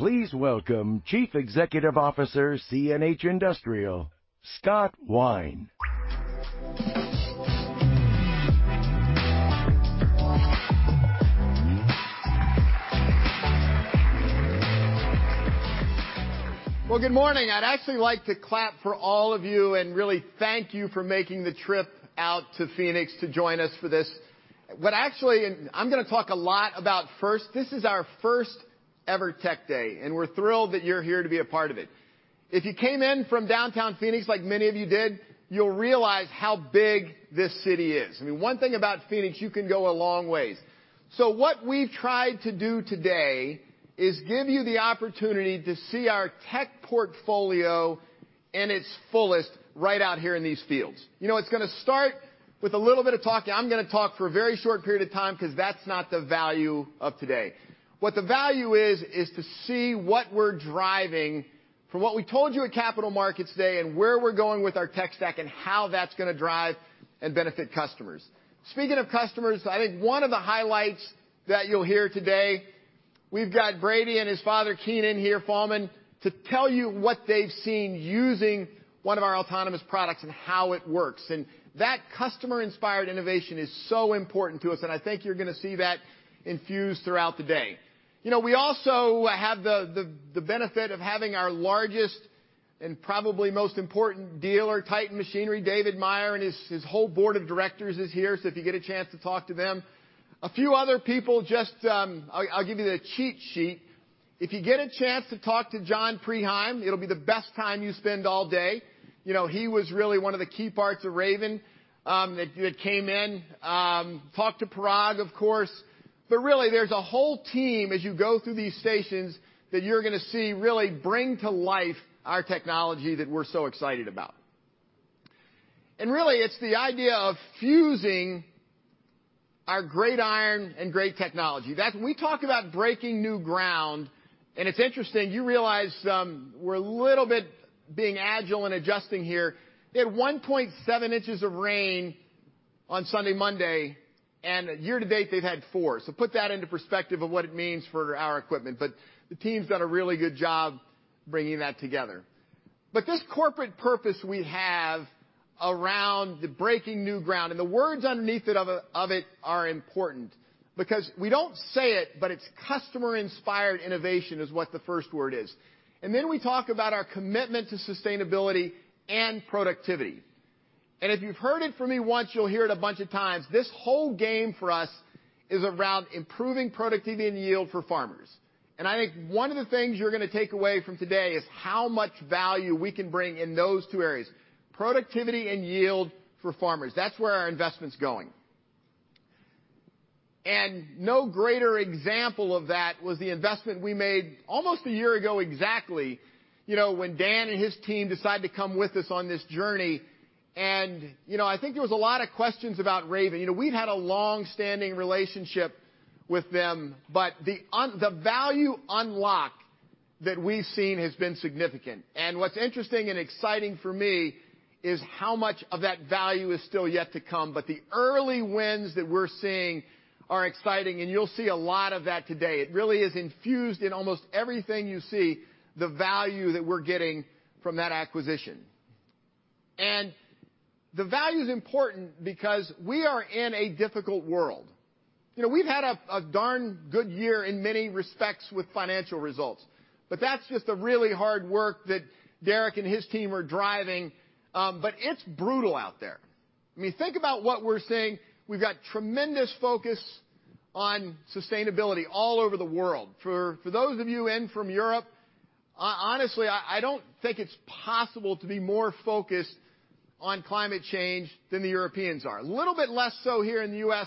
Please welcome Chief Executive Officer CNH Industrial, Scott Wine. Well, good morning. I'd actually like to clap for all of you and really thank you for making the trip out to Phoenix to join us for this. Actually, and I'm gonna talk a lot about first, this is our first ever tech day, and we're thrilled that you're here to be a part of it. If you came in from downtown Phoenix, like many of you did, you'll realize how big this city is. I mean, one thing about Phoenix, you can go a long ways. What we've tried to do today is give you the opportunity to see our tech portfolio in its fullest right out here in these fields. You know, it's gonna start with a little bit of talking. I'm gonna talk for a very short period of time 'cause that's not the value of today. What the value is to see what we're driving from what we told you at Capital Markets Day and where we're going with our tech stack and how that's gonna drive and benefit customers. Speaking of customers, I think one of the highlights that you'll hear today, we've got Brady and his father, Keenan here, Fahlman, to tell you what they've seen using one of our autonomous products and how it works. That customer-inspired innovation is so important to us, and I think you're gonna see that infused throughout the day. You know, we also have the benefit of having our largest and probably most important dealer, Titan Machinery, David Meyer, and his whole board of directors is here, so if you get a chance to talk to them. A few other people just, I'll give you the cheat sheet. If you get a chance to talk to John Preheim, it'll be the best time you spend all day. You know, he was really one of the key parts of Raven that came in. Talk to Parag, of course. Really, there's a whole team as you go through these stations that you're gonna see really bring to life our technology that we're so excited about. Really, it's the idea of fusing our great iron and great technology. We talk about breaking new ground, and it's interesting, you realize, we're a little bit being agile and adjusting here. They had 1.7 in of rain on Sunday, Monday, and year to date they've had four. Put that into perspective of what it means for our equipment. The team's done a really good job bringing that together. This corporate purpose we have around the breaking new ground, the words underneath it are important because we don't say it, but it's customer-inspired innovation is what the first word is. Then we talk about our commitment to sustainability and productivity. If you've heard it from me once, you'll hear it a bunch of times. This whole game for us is around improving productivity and yield for farmers. I think one of the things you're gonna take away from today is how much value we can bring in those two areas, productivity and yield for farmers. That's where our investment's going. No greater example of that was the investment we made almost a year ago exactly, you know, when Dan and his team decided to come with us on this journey. You know, I think there was a lot of questions about Raven. You know, we'd had a long-standing relationship with them, but the value unlock that we've seen has been significant. What's interesting and exciting for me is how much of that value is still yet to come. But the early wins that we're seeing are exciting, and you'll see a lot of that today. It really is infused in almost everything you see, the value that we're getting from that acquisition. The value's important because we are in a difficult world. You know, we've had a darn good year in many respects with financial results. But that's just the really hard work that Derek and his team are driving, but it's brutal out there. I mean, think about what we're seeing. We've got tremendous focus on sustainability all over the world. For those of you in from Europe, honestly, I don't think it's possible to be more focused on climate change than the Europeans are. A little bit less so here in the U.S.,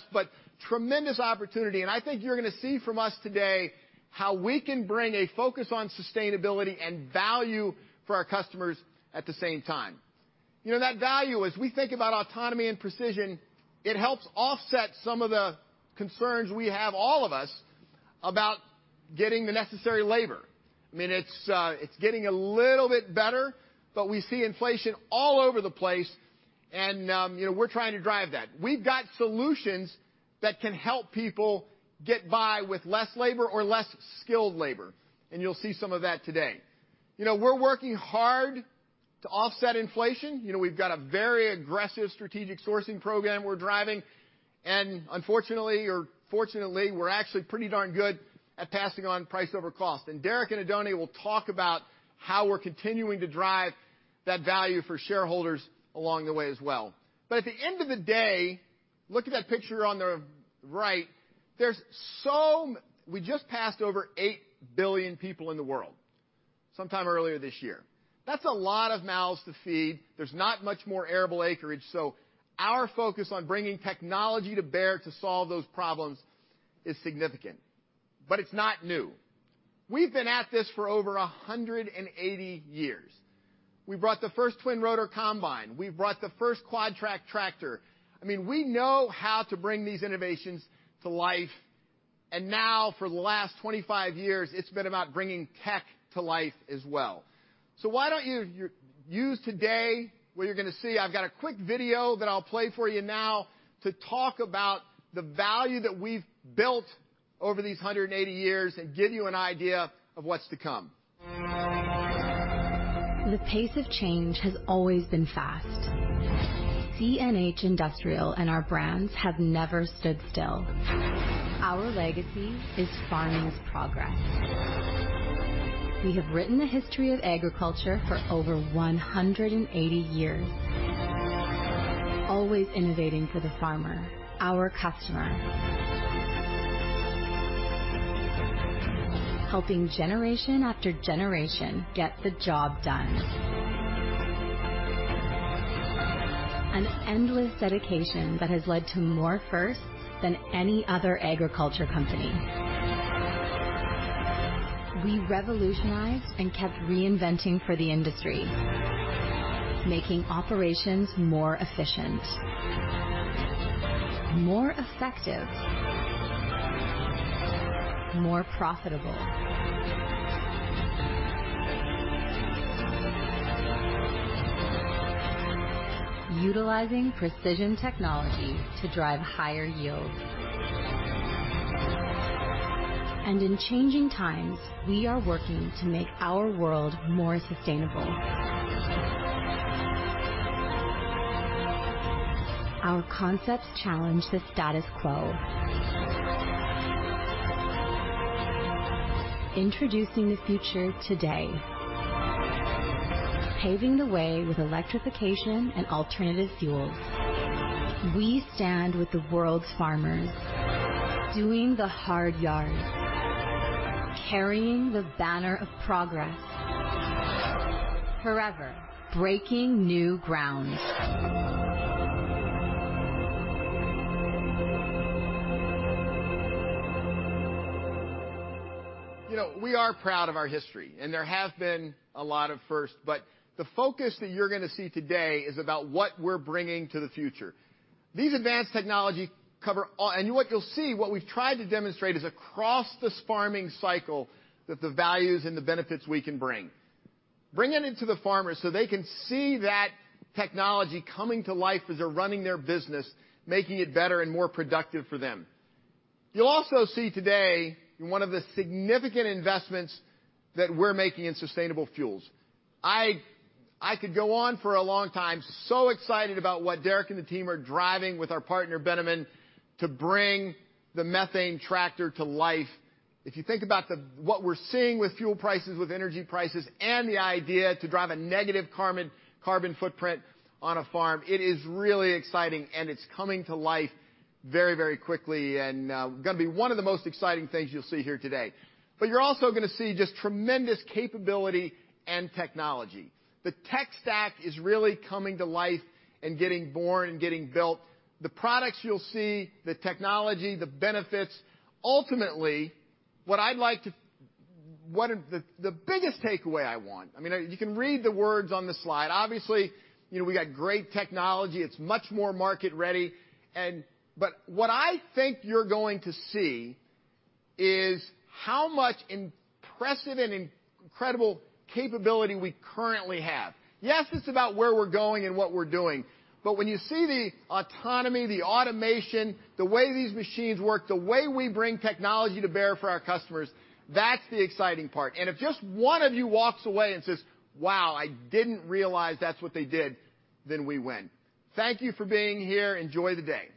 tremendous opportunity, and I think you're gonna see from us today how we can bring a focus on sustainability and value for our customers at the same time. You know, that value, as we think about autonomy and precision, it helps offset some of the concerns we have, all of us, about getting the necessary labor. I mean, it's getting a little bit better, but we see inflation all over the place and, you know, we're trying to drive that. We've got solutions that can help people get by with less labor or less skilled labor. You'll see some of that today. You know, we're working hard to offset inflation. You know, we've got a very aggressive strategic sourcing program we're driving. Unfortunately or fortunately, we're actually pretty darn good at passing on price over cost. Derek and Oddone will talk about how we're continuing to drive that value for shareholders along the way as well. At the end of the day, look at that picture on the right. We just passed over 8 billion people in the world sometime earlier this year. That's a lot of mouths to feed. There's not much more arable acreage, our focus on bringing technology to bear to solve those problems is significant. It's not new. We've been at this for over 180 years. We brought the first twin rotor combine. We brought the first Quadtrac tractor. I mean, we know how to bring these innovations to life, and now for the last 25 years, it's been about bringing tech to life as well. Why don't you use today what you're gonna see? I've got a quick video that I'll play for you now to talk about the value that we've built over these 180 years and give you an idea of what's to come. The pace of change has always been fast. CNH Industrial and our brands have never stood still. Our legacy is farming's progress. We have written the history of agriculture for over 180 years. Always innovating for the farmer, our customer. Helping generation after generation get the job done. An endless dedication that has led to more firsts than any other agriculture company. We revolutionized and kept reinventing for the industry, making operations more efficient, more effective, more profitable. Utilizing precision technology to drive higher yields. In changing times, we are working to make our world more sustainable. Our concepts challenge the status quo. Introducing the future today. Paving the way with electrification and alternative fuels. We stand with the world's farmers, doing the hard yards, carrying the banner of progress. Forever breaking new ground. You know, we are proud of our history, there have been a lot of firsts, but the focus that you're gonna see today is about what we're bringing to the future. These advanced technology cover all... What you'll see, what we've tried to demonstrate is across this farming cycle that the values and the benefits we can bring. Bringing it to the farmers so they can see that technology coming to life as they're running their business, making it better and more productive for them. You'll also see today one of the significant investments that we're making in sustainable fuels. I could go on for a long time. Excited about what Derek and the team are driving with our partner, Bennamann, to bring the methane tractor to life. If you think about what we're seeing with fuel prices, with energy prices, and the idea to drive a negative carbon footprint on a farm, it is really exciting, and it's coming to life very, very quickly and, gonna be one of the most exciting things you'll see here today. You're also gonna see just tremendous capability and technology. The tech stack is really coming to life and getting born and getting built. The products you'll see, the technology, the benefits. Ultimately, the biggest takeaway I want, I mean, you can read the words on the slide. Obviously, you know, we got great technology. It's much more market ready, but what I think you're going to see is how much impressive and incredible capability we currently have. Yes, it's about where we're going and what we're doing, but when you see the autonomy, the automation, the way these machines work, the way we bring technology to bear for our customers, that's the exciting part. If just one of you walks away and says, "Wow, I didn't realize that's what they did," then we win. Thank you for being here. Enjoy the day.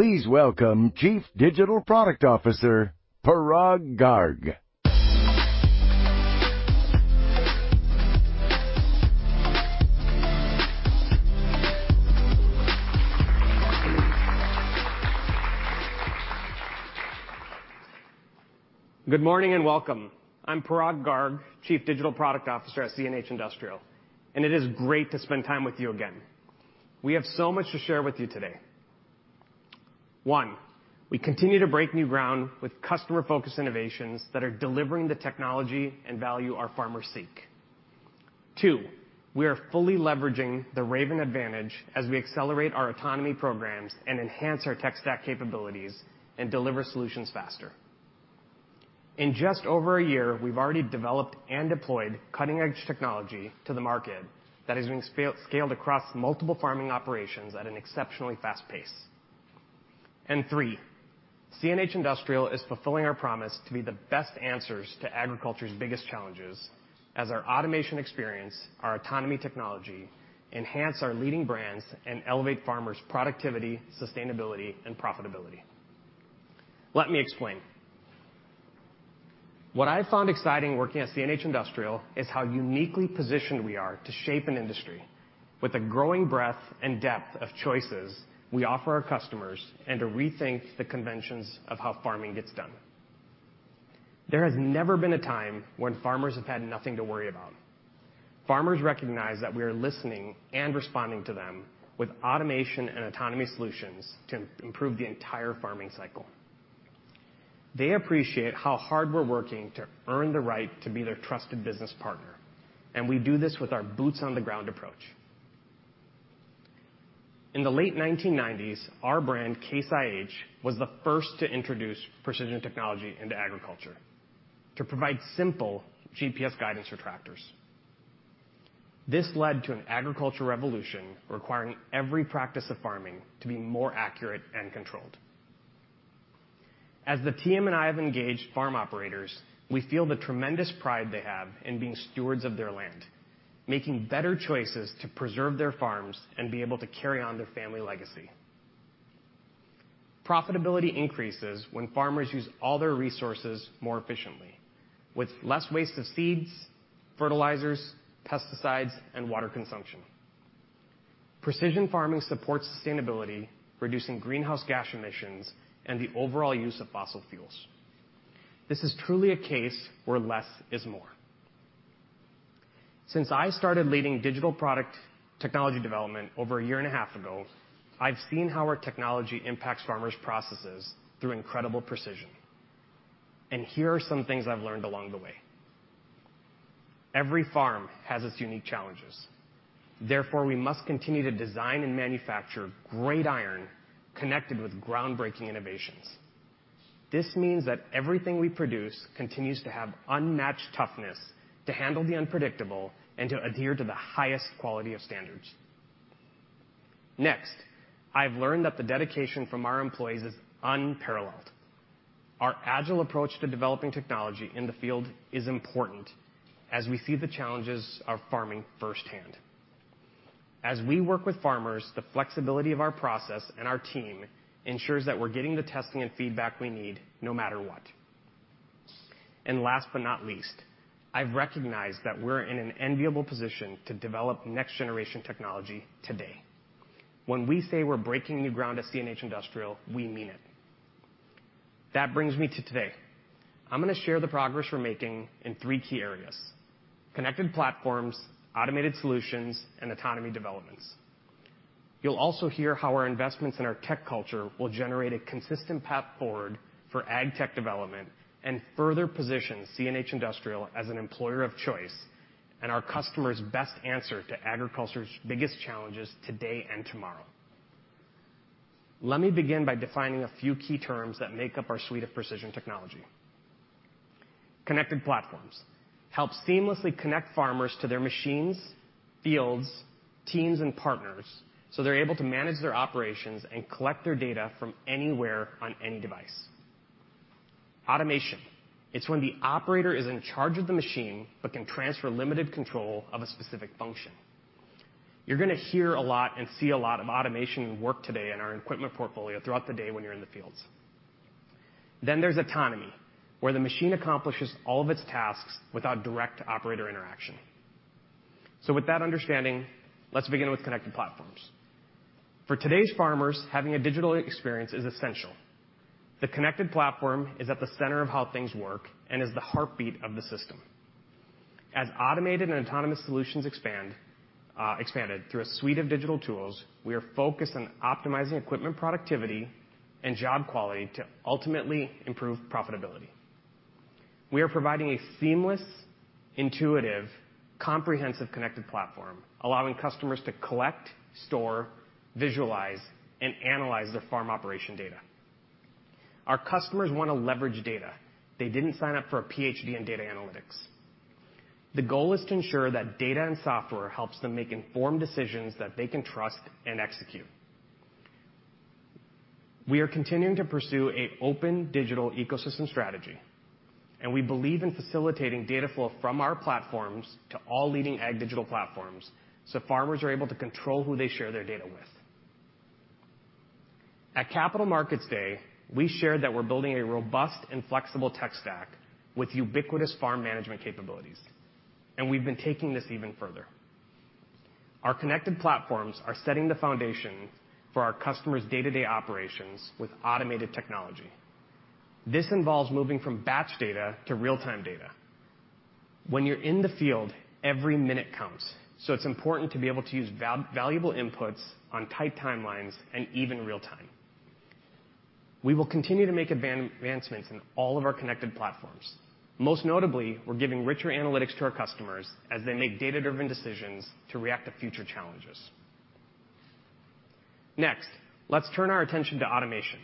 Please welcome Chief Digital Product Officer, Parag Garg. Good morning and welcome. I'm Parag Garg, Chief Digital Product Officer at CNH Industrial. It is great to spend time with you again. We have so much to share with you today. One, we continue to break new ground with customer-focused innovations that are delivering the technology and value our farmers seek. Two, we are fully leveraging the Raven advantage as we accelerate our autonomy programs and enhance our tech stack capabilities and deliver solutions faster. In just over a year, we've already developed and deployed cutting-edge technology to the market that is being scaled across multiple farming operations at an exceptionally fast pace. Three, CNH Industrial is fulfilling our promise to be the best answers to agriculture's biggest challenges as our automation experience, our autonomy technology, enhance our leading brands and elevate farmers' productivity, sustainability, and profitability. Let me explain. What I found exciting working at CNH Industrial is how uniquely positioned we are to shape an industry with a growing breadth and depth of choices we offer our customers and to rethink the conventions of how farming gets done. There has never been a time when farmers have had nothing to worry about. Farmers recognize that we are listening and responding to them with automation and autonomy solutions to improve the entire farming cycle. They appreciate how hard we're working to earn the right to be their trusted business partner, and we do this with our boots-on-the-ground approach. In the late 1990s, our brand, Case IH, was the first to introduce precision technology into agriculture to provide simple GPS guidance for tractors. This led to an agricultural revolution requiring every practice of farming to be more accurate and controlled. As the team and I have engaged farm operators, we feel the tremendous pride they have in being stewards of their land, making better choices to preserve their farms and be able to carry on their family legacy. Profitability increases when farmers use all their resources more efficiently, with less waste of seeds, fertilizers, pesticides, and water consumption. Precision farming supports sustainability, reducing greenhouse gas emissions and the overall use of fossil fuels. This is truly a case where less is more. Since I started leading digital product technology development over a year and a half ago, I've seen how our technology impacts farmers' processes through incredible precision. Here are some things I've learned along the way. Every farm has its unique challenges. Therefore, we must continue to design and manufacture great iron connected with groundbreaking innovations. This means that everything we produce continues to have unmatched toughness to handle the unpredictable and to adhere to the highest quality of standards. I've learned that the dedication from our employees is unparalleled. Our agile approach to developing technology in the field is important as we see the challenges of farming firsthand. As we work with farmers, the flexibility of our process and our team ensures that we're getting the testing and feedback we need no matter what. Last but not least, I've recognized that we're in an enviable position to develop next generation technology today. When we say we're breaking new ground at CNH Industrial, we mean it. That brings me to today. I'm gonna share the progress we're making in three key areas: connected platforms, automated solutions, and autonomy developments. You'll also hear how our investments in our tech culture will generate a consistent path forward for ag tech development and further position CNH Industrial as an employer of choice and our customers' best answer to agriculture's biggest challenges today and tomorrow. Let me begin by defining a few key terms that make up our suite of precision technology. Connected platforms help seamlessly connect farmers to their machines, fields, teams, and partners, so they're able to manage their operations and collect their data from anywhere on any device. Automation, it's when the operator is in charge of the machine but can transfer limited control of a specific function. You're gonna hear a lot and see a lot of automation work today in our equipment portfolio throughout the day when you're in the fields. There's autonomy, where the machine accomplishes all of its tasks without direct operator interaction. With that understanding, let's begin with connected platforms. For today's farmers, having a digital experience is essential. The connected platform is at the center of how things work and is the heartbeat of the system. As automated and autonomous solutions expanded through a suite of digital tools, we are focused on optimizing equipment productivity and job quality to ultimately improve profitability. We are providing a seamless, intuitive, comprehensive connected platform, allowing customers to collect, store, visualize, and analyze their farm operation data. Our customers wanna leverage data. They didn't sign up for a PhD in data analytics. The goal is to ensure that data and software helps them make informed decisions that they can trust and execute. We are continuing to pursue an open digital ecosystem strategy, and we believe in facilitating data flow from our platforms to all leading ag digital platforms, so farmers are able to control who they share their data with. At Capital Markets Day, we shared that we're building a robust and flexible tech stack with ubiquitous farm management capabilities, and we've been taking this even further. Our connected platforms are setting the foundation for our customers' day-to-day operations with automated technology. This involves moving from batch data to real-time data. When you're in the field, every minute counts, so it's important to be able to use valuable inputs on tight timelines and even real-time. We will continue to make advancements in all of our connected platforms. Most notably, we're giving richer analytics to our customers as they make data-driven decisions to react to future challenges. Next, let's turn our attention to automation,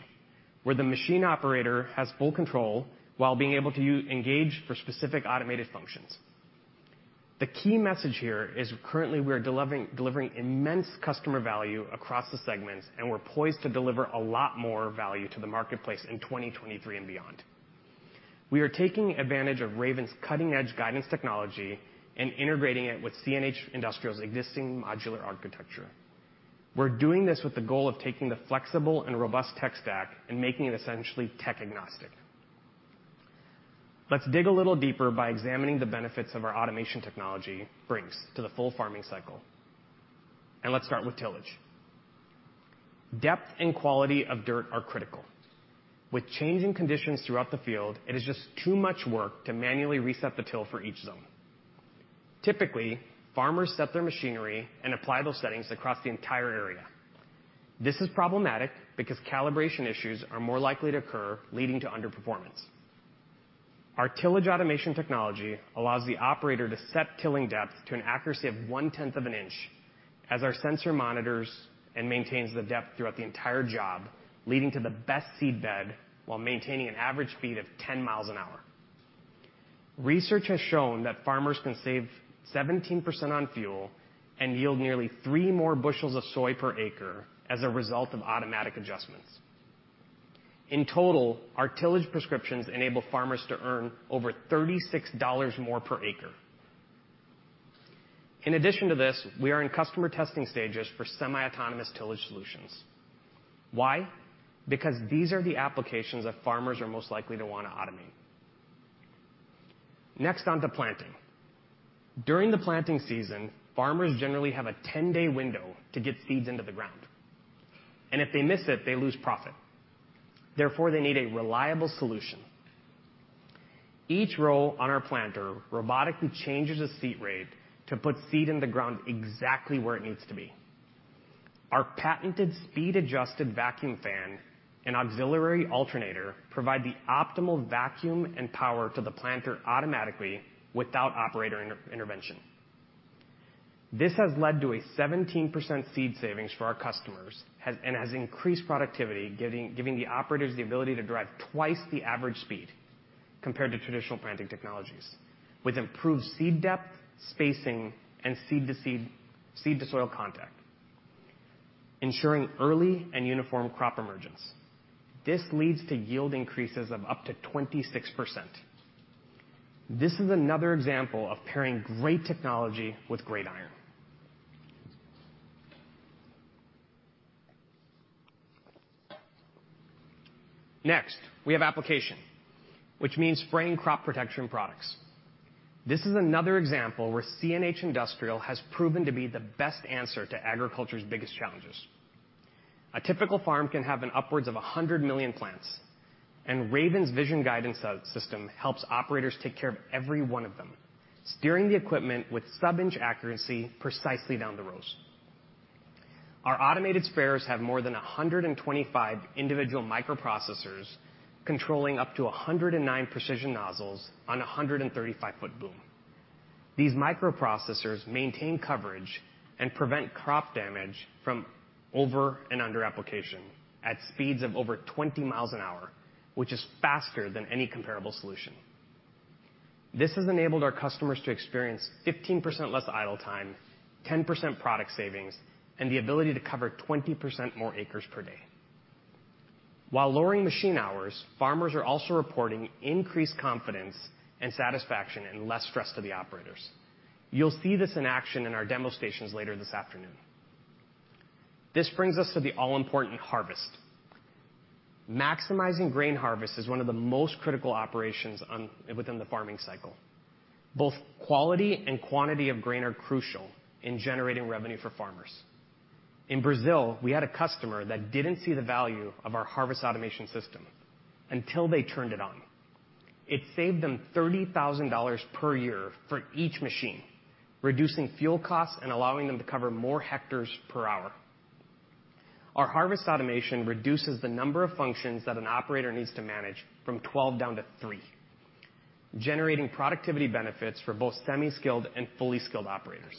where the machine operator has full control while being able to engage for specific automated functions. The key message here is currently we are delivering immense customer value across the segments, and we're poised to deliver a lot more value to the marketplace in 2023 and beyond. We are taking advantage of Raven's cutting-edge guidance technology and integrating it with CNH Industrial's existing modular architecture. We're doing this with the goal of taking the flexible and robust tech stack and making it essentially tech-agnostic. Let's dig a little deeper by examining the benefits of our automation technology brings to the full farming cycle. Let's start with tillage. Depth and quality of dirt are critical. With changing conditions throughout the field, it is just too much work to manually reset the till for each zone. Typically, farmers set their machinery and apply those settings across the entire area. This is problematic because calibration issues are more likely to occur, leading to underperformance. Our tillage automation technology allows the operator to set tilling depth to an accuracy of one-tenth of an inch as our sensor monitors and maintains the depth throughout the entire job, leading to the best seedbed while maintaining an average speed of 10 mi an hour. Research has shown that farmers can save 17% on fuel and yield nearly three more bushels of soy per acre as a result of automatic adjustments. In total, our tillage prescriptions enable farmers to earn over $36 more per acre. In addition to this, we are in customer testing stages for semi-autonomous tillage solutions. Why? These are the applications that farmers are most likely to wanna automate. Next, onto planting. During the planting season, farmers generally have a 10-day window to get seeds into the ground, and if they miss it, they lose profit. Therefore, they need a reliable solution. Each row on our planter robotically changes the seed rate to put seed in the ground exactly where it needs to be. Our patented speed-adjusted vacuum fan and auxiliary alternator provide the optimal vacuum and power to the planter automatically without operator intervention. This has led to a 17% seed savings for our customers, and has increased productivity, giving the operators the ability to drive twice the average speed compared to traditional planting technologies with improved seed depth, spacing, and seed to seed to soil contact, ensuring early and uniform crop emergence. This leads to yield increases of up to 26%. This is another example of pairing great technology with great iron. Next, we have application, which means spraying crop protection products. This is another example where CNH Industrial has proven to be the best answer to agriculture's biggest challenges. A typical farm can have an upwards of 100 million plants, and Raven's vision guidance system helps operators take care of every one of them, steering the equipment with sub-inch accuracy precisely down the rows. Our automated sprayers have more than 125 individual microprocessors controlling up to 109 precision nozzles on a 135-foot boom. These microprocessors maintain coverage and prevent crop damage from over and under application at speeds of over 20 mi an hour, which is faster than any comparable solution. This has enabled our customers to experience 15% less idle time, 10% product savings, and the ability to cover 20% more acres per day. While lowering machine hours, farmers are also reporting increased confidence and satisfaction and less stress to the operators. You'll see this in action in our demo stations later this afternoon. This brings us to the all-important harvest. Maximizing grain harvest is one of the most critical operations within the farming cycle. Both quality and quantity of grain are crucial in generating revenue for farmers. In Brazil, we had a customer that didn't see the value of our harvest automation system until they turned it on. It saved them $30,000 per year for each machine, reducing fuel costs and allowing them to cover more hectares per hour. Our harvest automation reduces the number of functions that an operator needs to manage from 12 down to three, generating productivity benefits for both semi-skilled and fully skilled operators.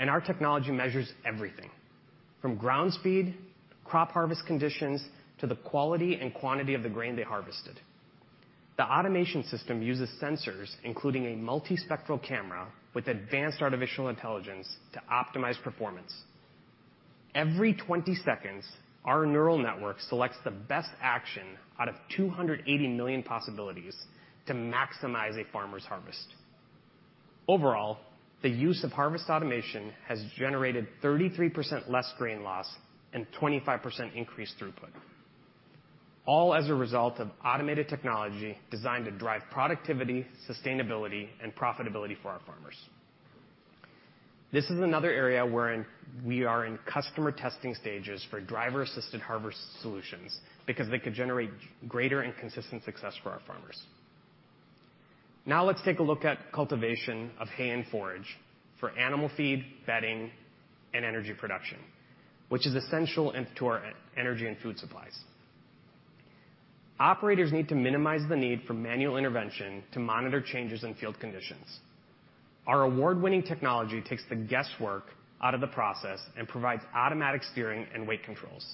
Our technology measures everything from ground speed, crop harvest conditions, to the quality and quantity of the grain they harvested. The automation system uses sensors, including a multispectral camera with advanced artificial intelligence to optimize performance. Every 20 seconds, our neural network selects the best action out of 280 million possibilities to maximize a farmer's harvest. Overall, the use of harvest automation has generated 33% less grain loss and 25% increased throughput. All as a result of automated technology designed to drive productivity, sustainability, and profitability for our farmers. This is another area we are in customer testing stages for driver-assisted harvest solutions because they could generate greater and consistent success for our farmers. Let's take a look at cultivation of hay and forage for animal feed, bedding, and energy production, which is essential to our energy and food supplies. Operators need to minimize the need for manual intervention to monitor changes in field conditions. Our award-winning technology takes the guesswork out of the process and provides automatic steering and weight controls.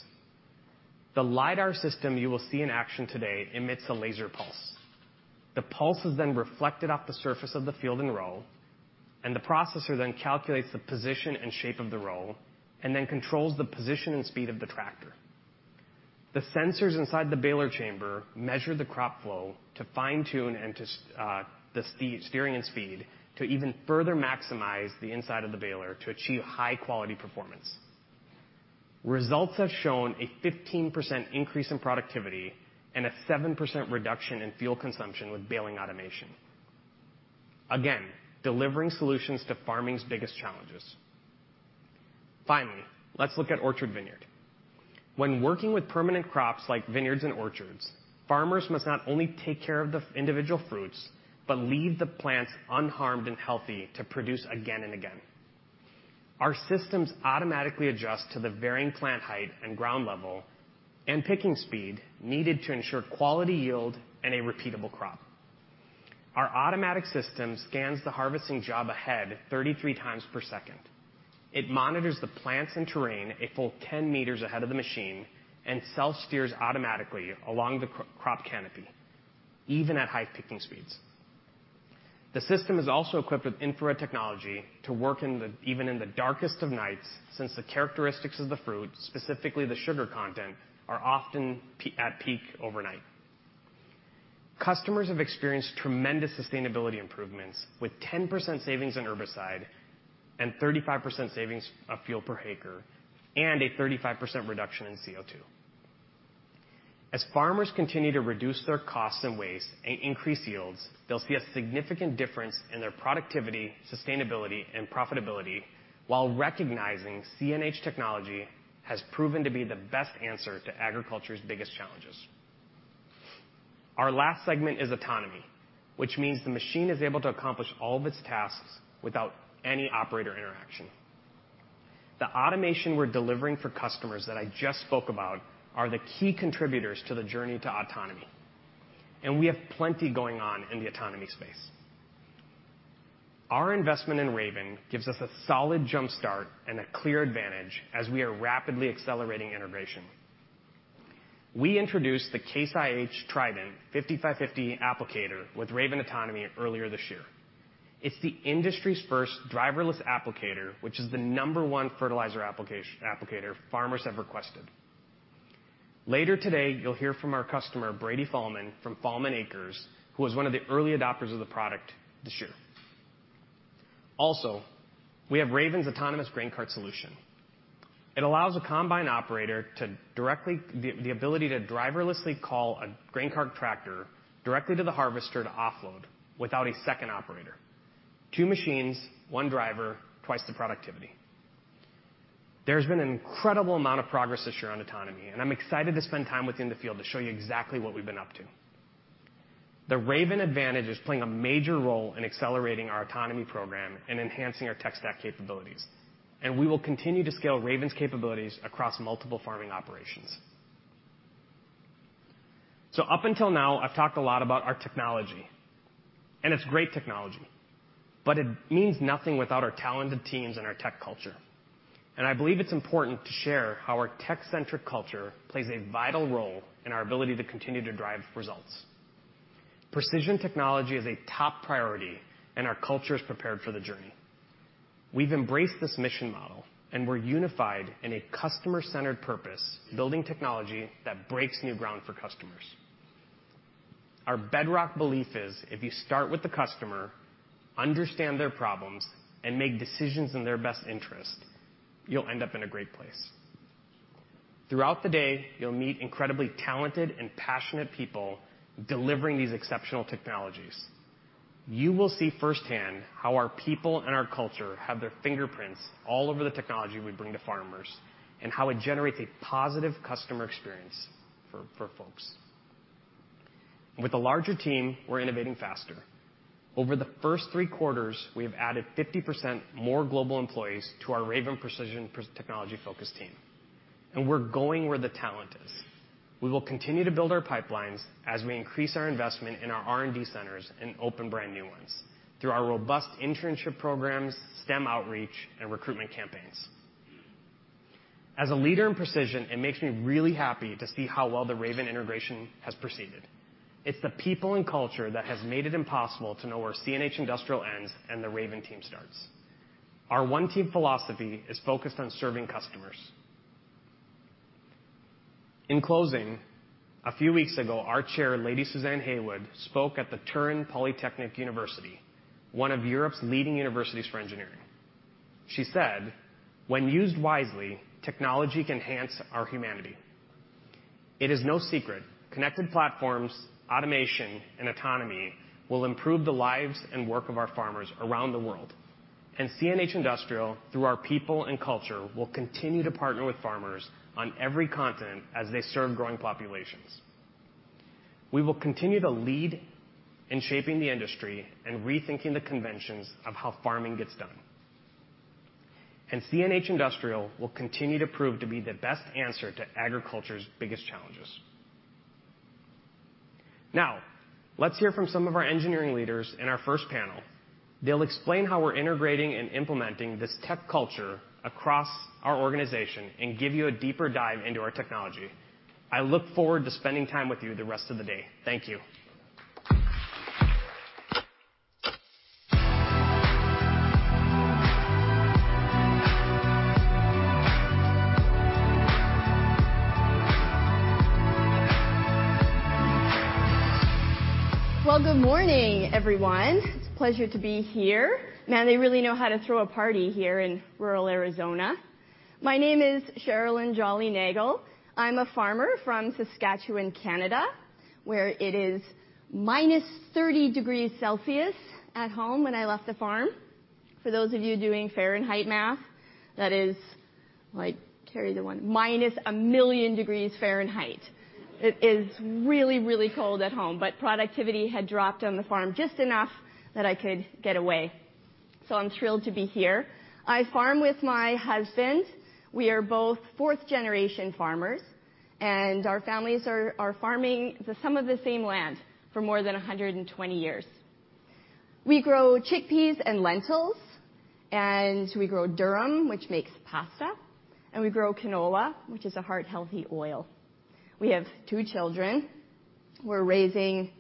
The LiDAR system you will see in action today emits a laser pulse. The pulse is then reflected off the surface of the field and row, and the processor then calculates the position and shape of the row, and then controls the position and speed of the tractor. The sensors inside the baler chamber measure the crop flow to fine-tune and to the steering and speed to even further maximize the inside of the baler to achieve high quality performance. Results have shown a 15% increase in productivity and a 7% reduction in fuel consumption with baling automation. Delivering solutions to farming's biggest challenges. Finally, let's look at orchard vineyard. When working with permanent crops like vineyards and orchards, farmers must not only take care of the individual fruits, but leave the plants unharmed and healthy to produce again and again. Our systems automatically adjust to the varying plant height and ground level and picking speed needed to ensure quality yield and a repeatable crop. Our automatic system scans the harvesting job ahead 33x per second. It monitors the plants and terrain a full 10 meters ahead of the machine and self-steers automatically along the crop canopy, even at high picking speeds. The system is also equipped with infrared technology to work even in the darkest of nights since the characteristics of the fruit, specifically the sugar content, are often at peak overnight. Customers have experienced tremendous sustainability improvements with 10% savings in herbicide and 35% savings of fuel per acre and a 35% reduction in CO2. As farmers continue to reduce their costs and waste and increase yields, they'll see a significant difference in their productivity, sustainability, and profitability while recognizing CNH technology has proven to be the best answer to agriculture's biggest challenges. Our last segment is autonomy, which means the machine is able to accomplish all of its tasks without any operator interaction. The automation we're delivering for customers that I just spoke about are the key contributors to the journey to autonomy, and we have plenty going on in the autonomy space. Our investment in Raven gives us a solid jump-start and a clear advantage as we are rapidly accelerating integration. We introduced the Case IH Trident 5550 Applicator with Raven Autonomy earlier this year. It's the industry's first driverless applicator, which is the number one fertilizer applicator farmers have requested. Later today, you'll hear from our customer, Brady Fahlman from Fahlman Acres, who was one of the early adopters of the product this year. We have Raven's autonomous grain cart solution. It allows a combine operator the ability to driverlessly call a grain cart tractor directly to the harvester to offload without a second operator. Two machines, one driver, twice the productivity. There's been an incredible amount of progress this year on autonomy. I'm excited to spend time with you in the field to show you exactly what we've been up to. The Raven advantage is playing a major role in accelerating our autonomy program and enhancing our tech stack capabilities. We will continue to scale Raven's capabilities across multiple farming operations. Up until now, I've talked a lot about our technology, and it's great technology, but it means nothing without our talented teams and our tech culture. I believe it's important to share how our tech-centric culture plays a vital role in our ability to continue to drive results. Precision technology is a top priority, our culture is prepared for the journey. We've embraced this mission model, we're unified in a customer-centered purpose, building technology that breaks new ground for customers. Our bedrock belief is if you start with the customer, understand their problems, and make decisions in their best interest, you'll end up in a great place. Throughout the day, you'll meet incredibly talented and passionate people delivering these exceptional technologies. You will see firsthand how our people and our culture have their fingerprints all over the technology we bring to farmers and how it generates a positive customer experience for folks. With a larger team, we're innovating faster. Over the first three quarters, we have added 50% more global employees to our Raven Precision technology focus team, we're going where the talent is. We will continue to build our pipelines as we increase our investment in our R&D centers and open brand new ones through our robust internship programs, STEM outreach, and recruitment campaigns. As a leader in precision, it makes me really happy to see how well the Raven integration has proceeded. It's the people and culture that has made it impossible to know where CNH Industrial ends and the Raven team starts. Our One Team philosophy is focused on serving customers. In closing, a few weeks ago, our chair, Lady Suzanne Heywood, spoke at the Polytechnic University of Turin, one of Europe's leading universities for engineering. She said, "When used wisely, technology can enhance our humanity." It is no secret, connected platforms, automation, and autonomy will improve the lives and work of our farmers around the world. CNH Industrial, through our people and culture, will continue to partner with farmers on every continent as they serve growing populations. We will continue to lead in shaping the industry and rethinking the conventions of how farming gets done. CNH Industrial will continue to prove to be the best answer to agriculture's biggest challenges. Now, let's hear from some of our engineering leaders in our first panel. They'll explain how we're integrating and implementing this tech culture across our organization and give you a deeper dive into our technology. I look forward to spending time with you the rest of the day. Thank you. Well, good morning, everyone. It's a pleasure to be here. Man, they really know how to throw a party here in rural Arizona. My name is Cherilyn Jolly-Nagel. I'm a farmer from Saskatchewan, Canada, where it is minus 30 degrees Celsius at home when I left the farm. For those of you doing Fahrenheit math, that is like, carry the one, minus a million degrees Fahrenheit. It is really, really cold at home, but productivity had dropped on the farm just enough that I could get away. I'm thrilled to be here. I farm with my husband. We are both 4th generation farmers, and our families are farming the some of the same land for more than 120 years. We grow chickpeas and lentils, and we grow durum, which makes pasta, and we grow canola, which is a heart-healthy oil. We have two children. We're raising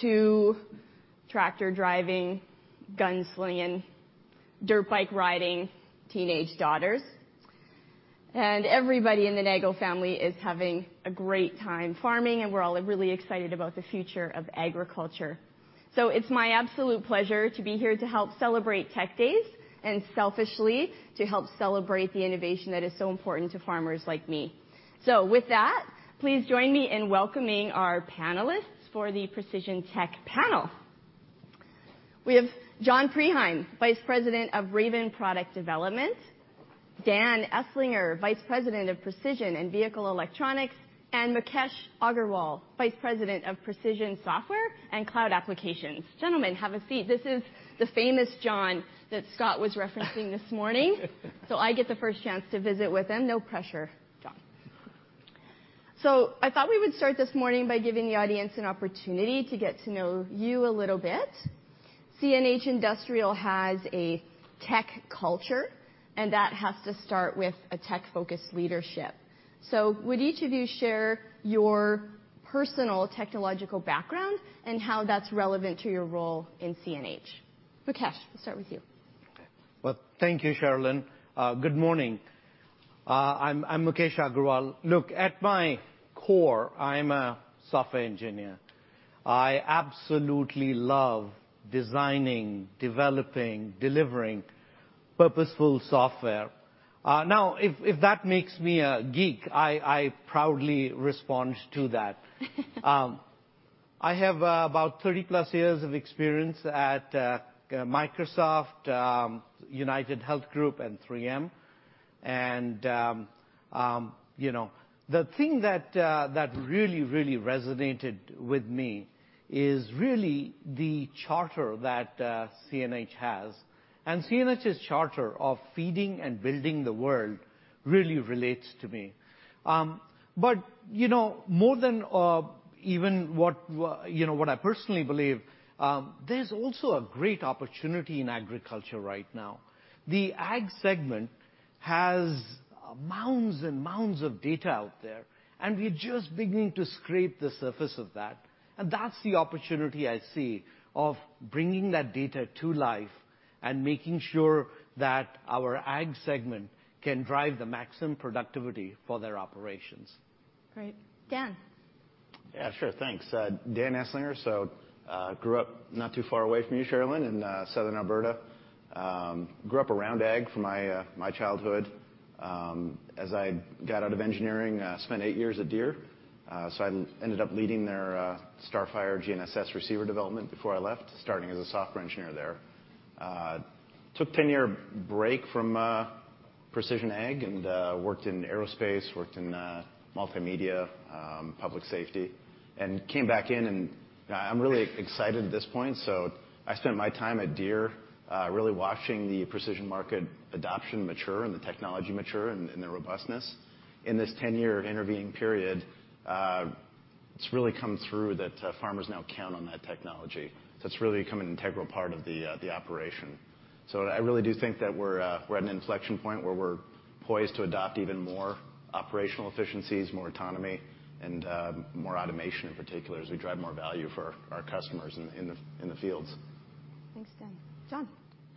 two tractor-driving, gun-slinging, dirt bike-riding teenage daughters. Everybody in the Nagel family is having a great time farming, and we're all really excited about the future of agriculture. It's my absolute pleasure to be here to help celebrate Tech Days and, selfishly, to help celebrate the innovation that is so important to farmers like me. With that, please join me in welcoming our panelists for the Precision Tech panel. We have John Preheim, Vice President of Raven Product Development, Dan Eslinger, Vice President of Precision and Vehicle Electronics, and Mukesh Agarwal, Vice President of Precision Software and Cloud Applications. Gentlemen, have a seat. This is the famous John that Scott was referencing this morning. I get the first chance to visit with him. No pressure, John. I thought we would start this morning by giving the audience an opportunity to get to know you a little bit. CNH Industrial has a tech culture, and that has to start with a tech-focused leadership. Would each of you share your personal technological background and how that's relevant to your role in CNH? Mukesh, we'll start with you. Well, thank you, Sherilyn. Good morning. I'm Mukesh Agarwal. Look, at my core, I'm a software engineer. I absolutely love designing, developing, delivering purposeful software. Now if that makes me a geek, I proudly respond to that. I have about 30+ years of experience at Microsoft, UnitedHealth Group, and 3M. You know, the thing that really, really resonated with me is really the charter that CNH has. CNH's charter of feeding and building the world really relates to me. You know, more than even what I personally believe, there's also a great opportunity in agriculture right now. The ag segment has mounds and mounds of data out there, and we're just beginning to scrape the surface of that. That's the opportunity I see of bringing that data to life and making sure that our ag segment can drive the maximum productivity for their operations. Great. Dan. Yeah, sure. Thanks. Dan Eslinger. grew up not too far away from you, Sherilyn, in southern Alberta. grew up around ag for my my childhood. As I got out of engineering, spent eight years at Deere. I ended up leading their StarFire GNSS receiver development before I left, starting as a software engineer there. took a 10-year break from precision ag and worked in aerospace, worked in multimedia, public safety, and came back in and I'm really excited at this point. I spent my time at Deere, really watching the precision market adoption mature and the technology mature and the robustness. In this 10-year intervening period, it's really come through that farmers now count on that technology. it's really become an integral part of the operation. I really do think that we're at an inflection point where we're poised to adopt even more operational efficiencies, more autonomy, and more automation in particular, as we drive more value for our customers in the fields. Thanks, Dan. John.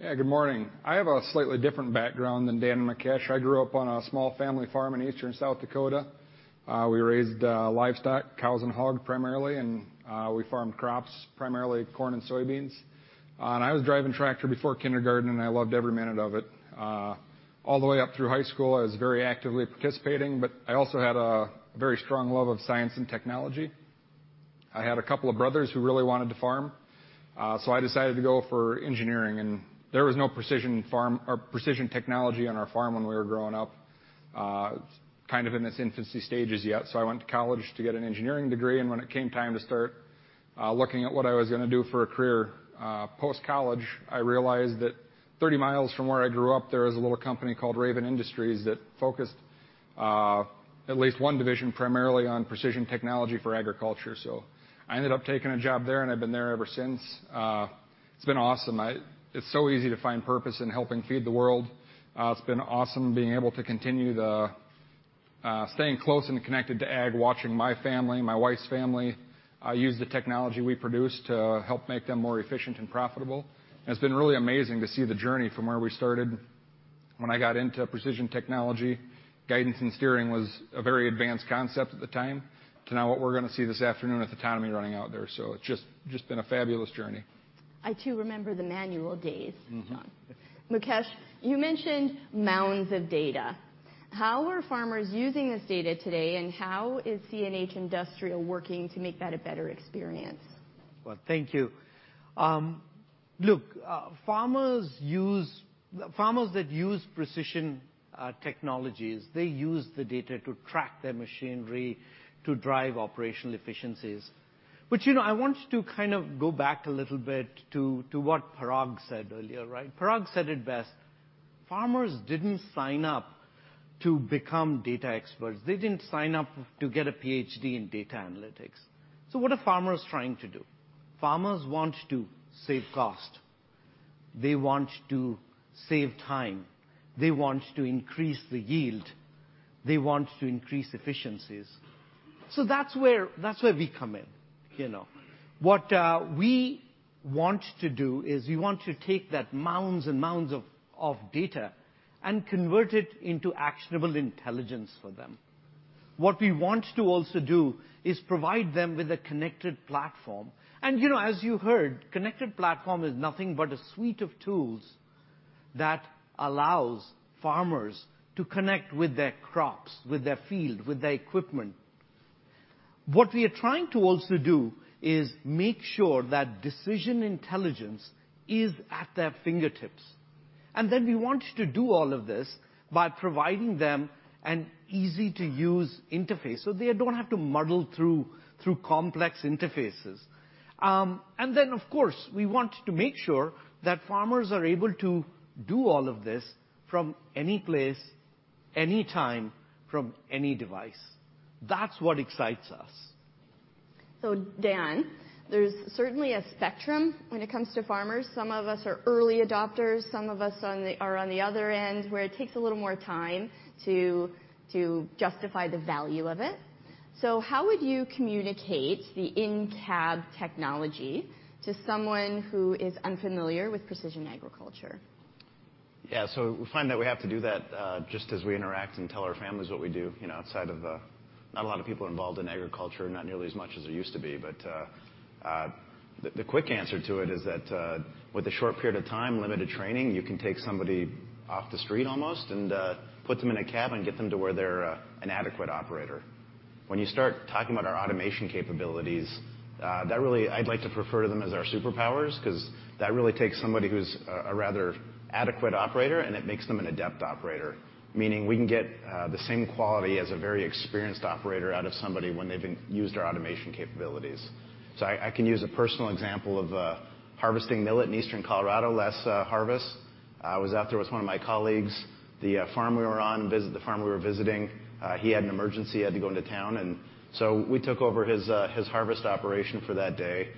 Yeah, good morning. I have a slightly different background than Dan and Mukesh. I grew up on a small family farm in eastern South Dakota. We raised livestock, cows and hog, primarily, and we farmed crops, primarily corn and soybeans. I was driving tractor before kindergarten, and I loved every minute of it. All the way up through high school, I was very actively participating, but I also had a very strong love of science and technology. I had a couple of brothers who really wanted to farm, so I decided to go for engineering, and there was no precision farm or precision technology on our farm when we were growing up, kind of in its infancy stages yet. I went to college to get an engineering degree, and when it came time to start looking at what I was gonna do for a career, post-college, I realized that 30 mi from where I grew up, there was a little company called Raven Industries that focused, at least one division primarily on precision technology for agriculture. I ended up taking a job there, and I've been there ever since. It's been awesome. It's so easy to find purpose in helping feed the world. It's been awesome being able to continue the staying close and connected to ag, watching my family, my wife's family, use the technology we produce to help make them more efficient and profitable. It's been really amazing to see the journey from where we started. When I got into precision technology, guidance and steering was a very advanced concept at the time to now what we're gonna see this afternoon with autonomy running out there. It's just been a fabulous journey. I, too, remember the manual days. John. Mukesh, you mentioned mounds of data. How are farmers using this data today, and how is CNH Industrial working to make that a better experience? Well, thank you. Look, farmers that use precision technologies, they use the data to track their machinery to drive operational efficiencies, which, you know, I want to kind of go back a little bit to what Parag said earlier, right? Parag said it best. Farmers didn't sign up to become data experts. They didn't sign up to get a PhD in data analytics. What are farmers trying to do? Farmers want to save cost. They want to save time. They want to increase the yield. They want to increase efficiencies. That's where we come in, you know. What we want to do is we want to take that mounds and mounds of data and convert it into actionable intelligence for them. What we want to also do is provide them with a connected platform. You know, as you heard, connected platform is nothing but a suite of tools that allows farmers to connect with their crops, with their field, with their equipment. What we are trying to also do is make sure that decision intelligence is at their fingertips. Then we want to do all of this by providing them an easy-to-use interface, so they don't have to muddle through complex interfaces. Then, of course, we want to make sure that farmers are able to do all of this from any place, any time, from any device. That's what excites us. Dan, there's certainly a spectrum when it comes to farmers. Some of us are early adopters, some of us are on the other end, where it takes a little more time to justify the value of it. How would you communicate the in-cab technology to someone who is unfamiliar with precision agriculture? Yeah. We find that we have to do that, just as we interact and tell our families what we do, you know, outside of. Not a lot of people involved in agriculture, not nearly as much as there used to be. The quick answer to it is that, with a short period of time, limited training, you can take somebody off the street almost and put them in a cab and get them to where they're an adequate operator. When you start talking about our automation capabilities, that really I'd like to refer to them as our superpowers 'cause that really takes somebody who's a rather adequate operator, and it makes them an adept operator, meaning we can get the same quality as a very experienced operator out of somebody when they've been used our automation capabilities. I can use a personal example of harvesting millet in Eastern Colorado last harvest. I was out there with one of my colleagues. The farm we were visiting, he had an emergency. He had to go into town, we took over his harvest operation for that day.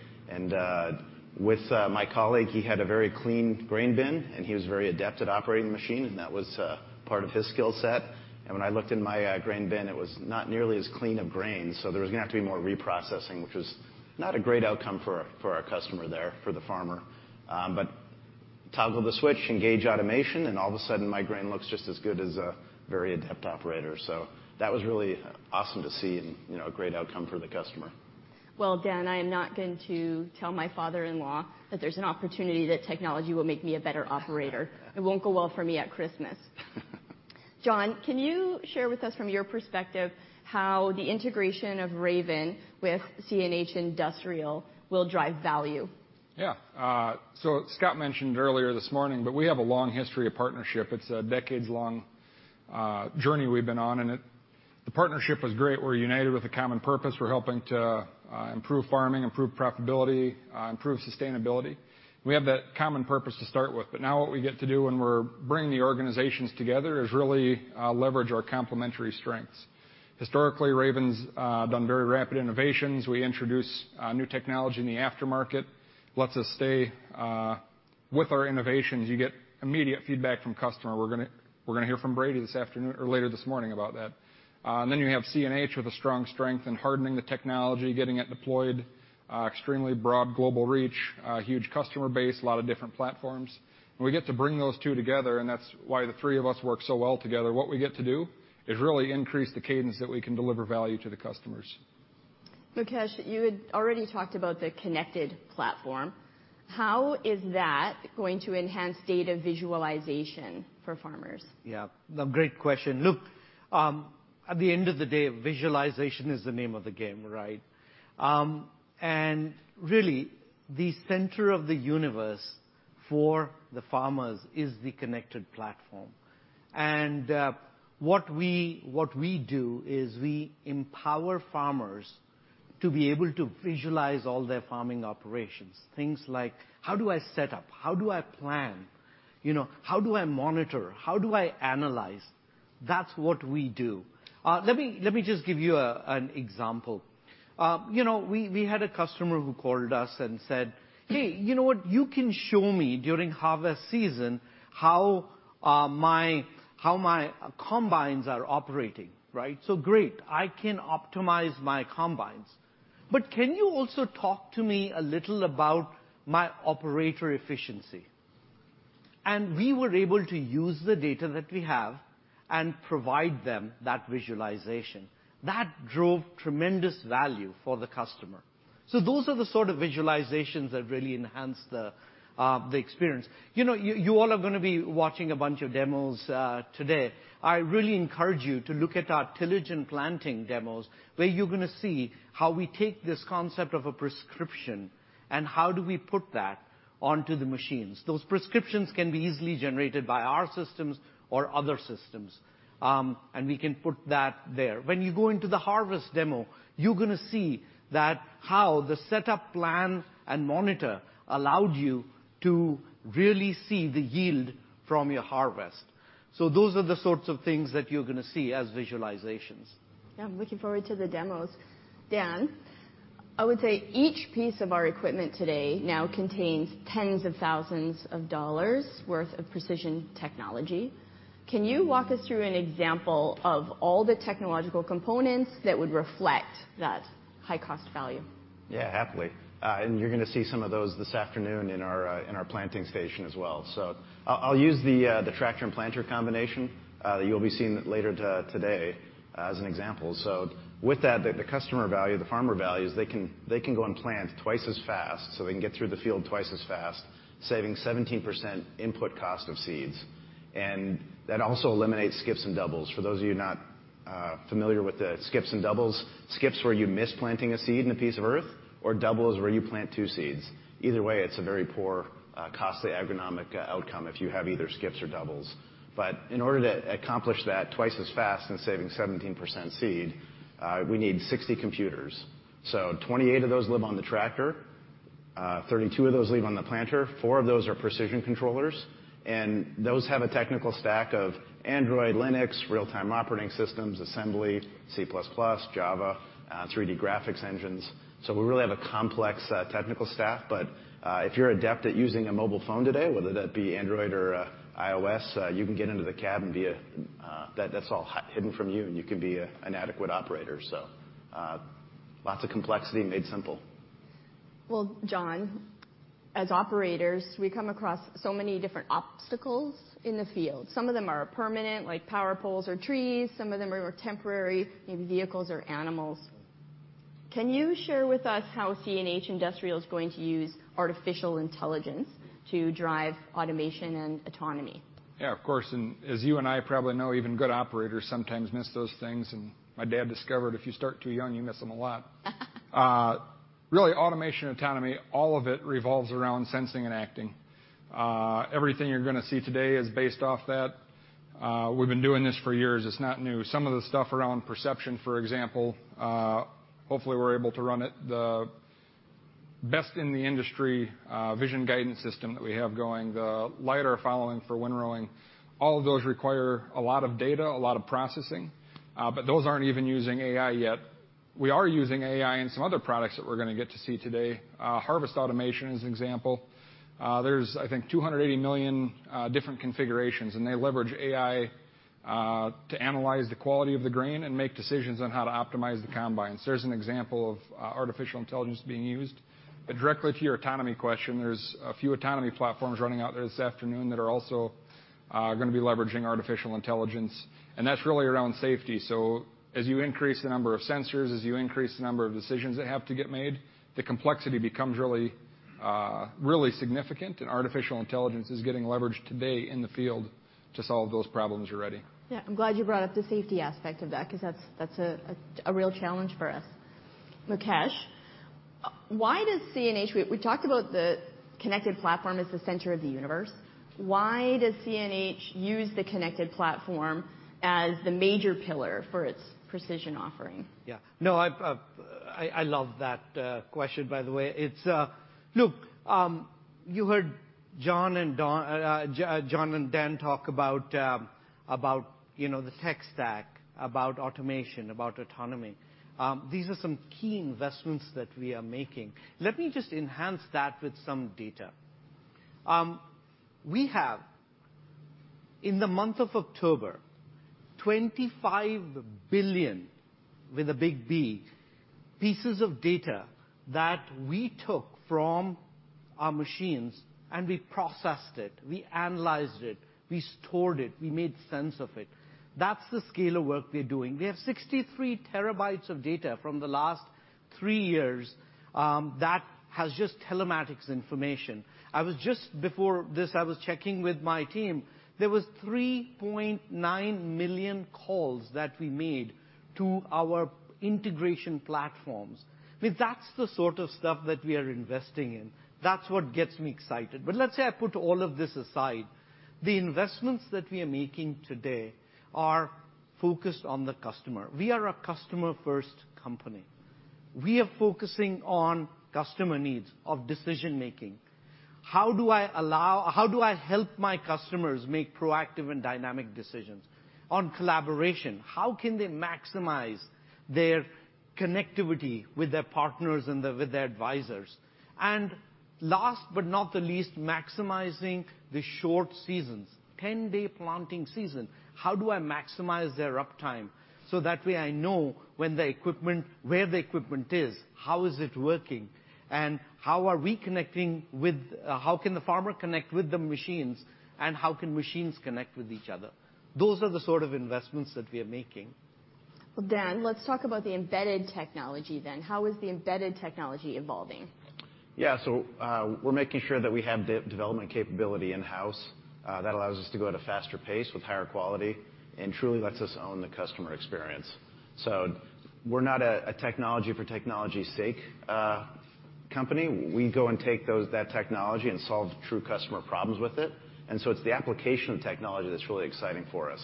With my colleague, he had a very clean grain bin, and he was very adept at operating the machine, and that was part of his skill set. When I looked in my grain bin, it was not nearly as clean a grain, so there was gonna have to be more reprocessing, which was not a great outcome for our customer there, for the farmer. Toggle the switch, engage automation, and all of a sudden, my grain looks just as good as a very adept operator. That was really awesome to see and, you know, a great outcome for the customer. Well, Dan, I am not going to tell my father-in-law that there's an opportunity that technology will make me a better operator. It won't go well for me at Christmas. John, can you share with us from your perspective how the integration of Raven with CNH Industrial will drive value? Yeah. Scott mentioned earlier this morning, we have a long history of partnership. It's a decades-long journey we've been on, the partnership was great. We're united with a common purpose. We're helping to improve farming, improve profitability, improve sustainability. We have that common purpose to start with. Now what we get to do when we're bringing the organizations together is really leverage our complementary strengths. Historically, Raven's done very rapid innovations. We introduce new technology in the aftermarket, lets us stay with our innovations. You get immediate feedback from customer. We're gonna hear from Brady this afternoon or later this morning about that. You have CNH with a strong strength in hardening the technology, getting it deployed, extremely broad global reach, huge customer base, a lot of different platforms. We get to bring those two together, and that's why the three of us work so well together, what we get to do is really increase the cadence that we can deliver value to the customers. Mukesh, you had already talked about the connected platform. How is that going to enhance data visualization for farmers? Yeah. A great question. Look, at the end of the day, visualization is the name of the game, right? Really, the center of the universe for the farmers is the connected platform. What we do is we empower farmers to be able to visualize all their farming operations. Things like, how do I set up? How do I plan? You know, how do I monitor? How do I analyze? That's what we do. Let me just give you an example. You know, we had a customer who called us and said, "Hey, you know what? You can show me during harvest season how my combines are operating, right? Great, I can optimize my combines. Can you also talk to me a little about my operator efficiency?" We were able to use the data that we have and provide them that visualization. That drove tremendous value for the customer. Those are the sort of visualizations that really enhance the experience. You know, you all are gonna be watching a bunch of demos today. I really encourage you to look at our tillage and planting demos, where you're gonna see how we take this concept of a prescription and how do we put that onto the machines. Those prescriptions can be easily generated by our systems or other systems. We can put that there. When you go into the harvest demo, you're gonna see that how the setup plan and monitor allowed you to really see the yield from your harvest. Those are the sorts of things that you're gonna see as visualizations. Yeah. I'm looking forward to the demos. Dan, I would say each piece of our equipment today now contains tens of thousands of dollars' worth of precision technology. Can you walk us through an example of all the technological components that would reflect that high cost value? Yeah. Happily. And you're gonna see some of those this afternoon in our planting station as well. I'll use the tractor and planter combination that you'll be seeing later today, as an example. With that, the customer value, the farmer value is they can go and plant twice as fast, so they can get through the field twice as fast, saving 17% input cost of seeds. That also eliminates skips and doubles. For those of you not familiar with the skips and doubles, skips are you miss planting a seed in a piece of earth, or doubles where you plant two seeds. Either way, it's a very poor, costly agronomic outcome if you have either skips or doubles. In order to accomplish that 2x as fast and saving 17% seed, we need 60 computers. 28 of those live on the tractor, 32 of those live on the planter, 4 of those are precision controllers. Those have a technical stack of Android, Linux, real-time operating systems, Assembly, C++, Java, 3D graphics engines. We really have a complex technical stack. If you're adept at using a mobile phone today, whether that be Android or iOS, you can get into the cab and be a. That's all hidden from you, and you can be an adequate operator. Lots of complexity made simple. Well, John, as operators, we come across so many different obstacles in the field. Some of them are permanent, like power poles or trees, some of them are temporary, maybe vehicles or animals. Can you share with us how CNH Industrial is going to use artificial intelligence to drive automation and autonomy? Yeah, of course. As you and I probably know, even good operators sometimes miss those things, and my dad discovered if you start too young, you miss them a lot. Really automation and autonomy, all of it revolves around sensing and acting. Everything you're gonna see today is based off that. We've been doing this for years. It's not new. Some of the stuff around perception, for example, hopefully we're able to run it, the best in the industry, vision guidance system that we have going, the LiDAR following for windrowing, all of those require a lot of data, a lot of processing. Those aren't even using AI yet. We are using AI in some other products that we're gonna get to see today. Harvest automation is an example. There's, I think, 280 million different configurations, and they leverage AI to analyze the quality of the grain and make decisions on how to optimize the combines. There's an example of artificial intelligence being used. Directly to your autonomy question, there's a few autonomy platforms running out there this afternoon that are also gonna be leveraging artificial intelligence, and that's really around safety. As you increase the number of sensors, as you increase the number of decisions that have to get made, the complexity becomes really significant, and artificial intelligence is getting leveraged today in the field to solve those problems already. Yeah. I'm glad you brought up the safety aspect of that, 'cause that's a real challenge for us. Mukesh, We talked about the connected platform as the center of the universe. Why does CNH use the connected platform as the major pillar for its precision offering? Yeah. No, I love that question, by the way. It's. Look, you heard John and Dan talk about, you know, the tech stack, about automation, about autonomy. These are some key investments that we are making. Let me just enhance that with some data. We have, in the month of October, 25 billion, with a big B, pieces of data that we took from our machines, and we processed it, we analyzed it, we stored it, we made sense of it. That's the scale of work we're doing. We have 63 TB of data from the last three years that has just telematics information. Before this, I was checking with my team. There was 3.9 million calls that we made to our integration platforms. I mean, that's the sort of stuff that we are investing in. That's what gets me excited. Let's say I put all of this aside. The investments that we are making today are focused on the customer. We are a customer-first company. We are focusing on customer needs of decision-making. How do I help my customers make proactive and dynamic decisions? On collaboration, how can they maximize their connectivity with their partners with their advisors? Last but not the least, maximizing the short seasons. 10-day planting season. How do I maximize their uptime so that way I know where the equipment is, how is it working, and how can the farmer connect with the machines, and how can machines connect with each other? Those are the sort of investments that we are making. Well, Dan, let's talk about the embedded technology then. How is the embedded technology evolving? Yeah. We're making sure that we have development capability in-house, that allows us to go at a faster pace with higher quality and truly lets us own the customer experience. We're not a technology for technology sake, company. We go and take that technology and solve true customer problems with it. It's the application of technology that's really exciting for us.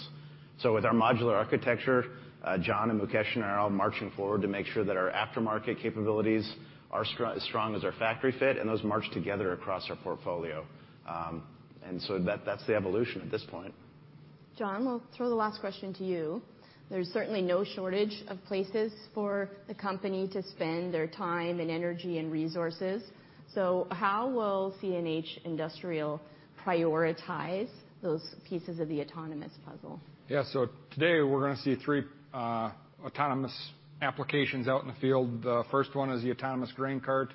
With our modular architecture, John and Mukesh and I are all marching forward to make sure that our aftermarket capabilities are strong as our factory fit, and those march together across our portfolio. That, that's the evolution at this point. John, we'll throw the last question to you. There's certainly no shortage of places for the company to spend their time and energy and resources. How will CNH Industrial prioritize those pieces of the autonomous puzzle? Yeah. Today, we're gonna see three autonomous applications out in the field. The first one is the autonomous grain cart,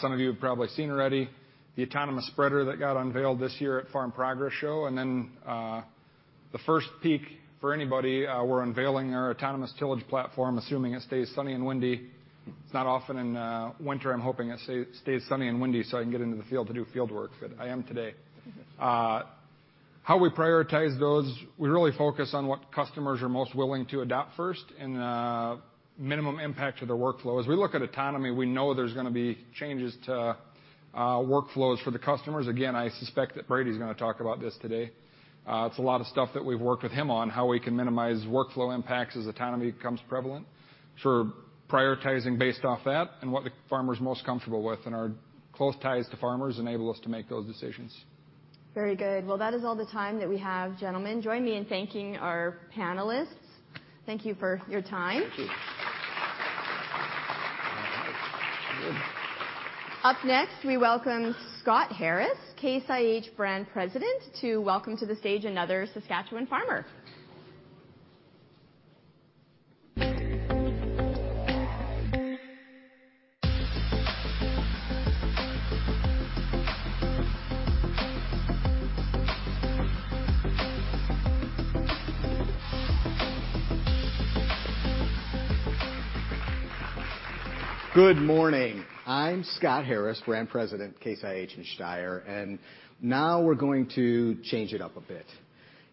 some of you have probably seen already, the autonomous spreader that got unveiled this year at Farm Progress Show, and then, the first peek for anybody, we're unveiling our autonomous tillage platform, assuming it stays sunny and windy. It's not often in winter. I'm hoping it stays sunny and windy so I can get into the field to do field work, but I am today. How we prioritize those, we really focus on what customers are most willing to adopt first and minimum impact to their workflow. As we look at autonomy, we know there's gonna be changes to workflows for the customers. Again, I suspect that Brady's gonna talk about this today. It's a lot of stuff that we've worked with him on, how we can minimize workflow impacts as autonomy becomes prevalent. We're prioritizing based off that and what the farmer's most comfortable with. Our close ties to farmers enable us to make those decisions. Very good. Well, that is all the time that we have, gentlemen. Join me in thanking our panelists. Thank you for your time. Thank you. Up next, we welcome Scott Harris, Case IH Brand President, to welcome to the stage another Saskatchewan farmer. Good morning. I'm Scott Harris, Brand President, Case IH and Steyr. Now we're going to change it up a bit.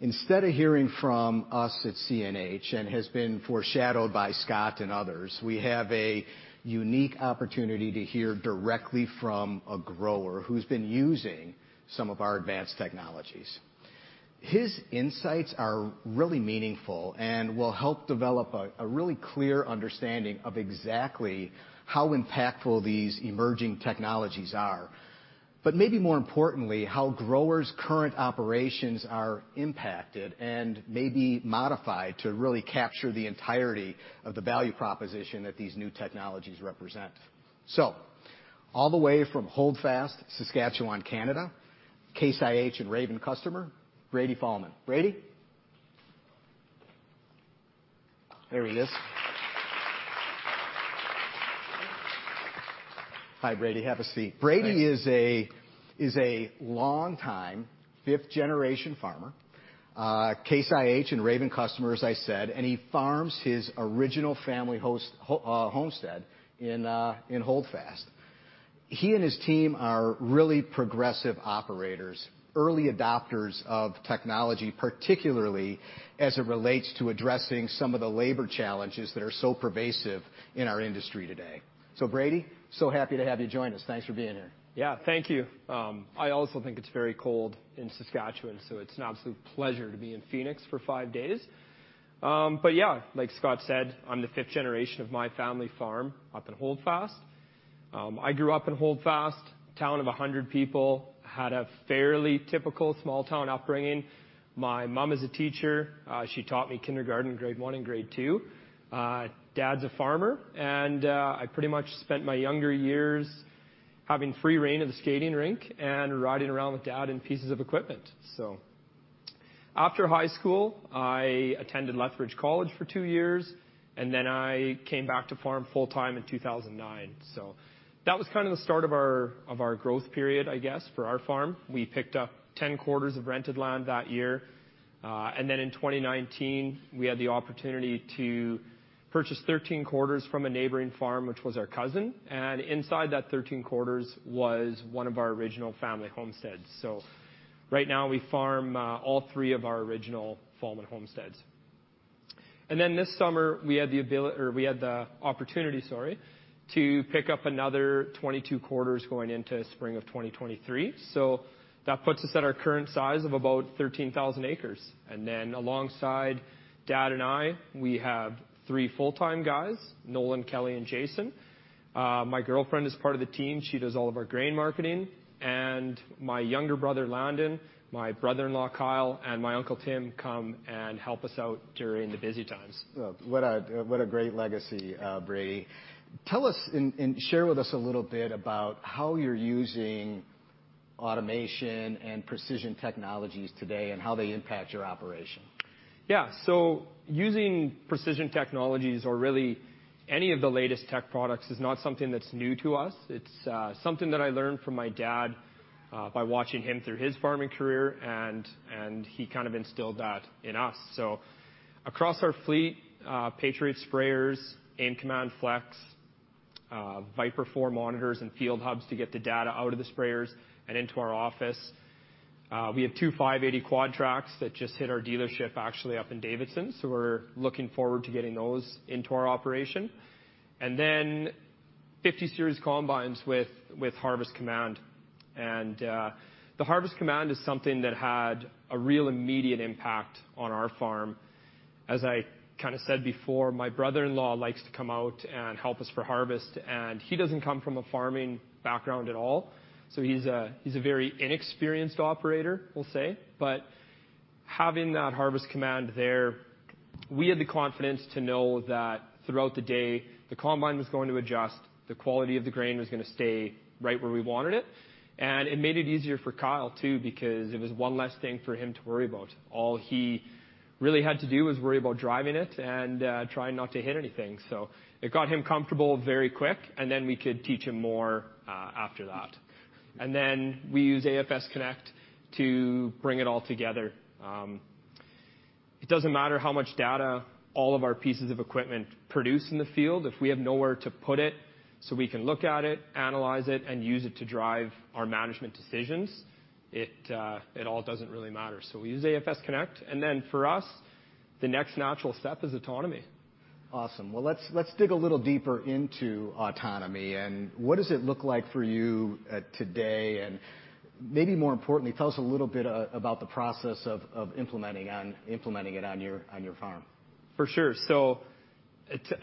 Instead of hearing from us at CNH, and has been foreshadowed by Scott and others, we have a unique opportunity to hear directly from a grower who's been using some of our advanced technologies. His insights are really meaningful and will help develop a really clear understanding of exactly how impactful these emerging technologies are. Maybe more importantly, how growers' current operations are impacted and maybe modified to really capture the entirety of the value proposition that these new technologies represent. All the way from Holdfast, Saskatchewan, Canada, Case IH and Raven customer, Brady Fahlman. Brady? There he is. Hi, Brady. Have a seat. Brady is a long-time fifth-generation farmer, Case IH and Raven customer, as I said, and he farms his original family homestead in Holdfast. He and his team are really progressive operators, early adopters of technology, particularly as it relates to addressing some of the labor challenges that are so pervasive in our industry today. Brady, so happy to have you join us. Thanks for being here. Yeah. Thank you. I also think it's very cold in Saskatchewan, so it's an absolute pleasure to be in Phoenix for five days. Like Scott said, I'm the fifth generation of my family farm up in Holdfast. I grew up in Holdfast, town of 100 people. Had a fairly typical small town upbringing. My mom is a teacher. She taught me kindergarten, grade one and grade two. Dad's a farmer, and I pretty much spent my younger years having free reign of the skating rink and riding around with dad in pieces of equipment. After high school, I attended Lethbridge College for two years, and then I came back to farm full-time in 2009. That was kind of the start of our, of our growth period, I guess, for our farm. We picked up 10 quarters of rented land that year. In 2019, we had the opportunity to purchase 13 quarters from a neighboring farm, which was our cousin. Inside that 13 quarters was one of our original family homesteads. Right now we farm all 3 of our original family homesteads. This summer, we had the opportunity, sorry, to pick up another 22 quarters going into spring of 2023. That puts us at our current size of about 13,000 acres. Alongside dad and I, we have three full-time guys, Nolan, Kelly, and Jason. My girlfriend is part of the team. She does all of our grain marketing. My younger brother, Landon, my brother-in-law, Kyle, and my uncle, Tim, come and help us out during the busy times. What a great legacy, Brady. Tell us and share with us a little bit about how you're using automation and precision technologies today and how they impact your operation? Using precision technologies or really any of the latest tech products is not something that's new to us. It's something that I learned from my dad by watching him through his farming career, and he kind of instilled that in us. Across our fleet, Patriot sprayers, AIM Command FLEX, Viper 4 monitors and field hubs to get the data out of the sprayers and into our office. We have 2 580 Quadtracs that just hit our dealership actually up in Davidson, so we're looking forward to getting those into our operation. Then 50 series combines with Harvest Command. The Harvest Command is something that had a real immediate impact on our farm. As I kinda said before, my brother-in-law likes to come out and help us for harvest, and he doesn't come from a farming background at all, so he's a very inexperienced operator, we'll say. Having that Harvest Command there, we had the confidence to know that throughout the day, the combine was going to adjust, the quality of the grain was gonna stay right where we wanted it. It made it easier for Kyle too, because it was one less thing for him to worry about. All he really had to do was worry about driving it and trying not to hit anything. It got him comfortable very quick, then we could teach him more after that. Then we use AFS Connect to bring it all together. It doesn't matter how much data all of our pieces of equipment produce in the field, if we have nowhere to put it so we can look at it, analyze it, and use it to drive our management decisions, it all doesn't really matter. We use AFS Connect, for us, the next natural step is autonomy. Awesome. Well, let's dig a little deeper into autonomy and what does it look like for you today, and maybe more importantly, tell us a little bit about the process of implementing it on your farm. For sure.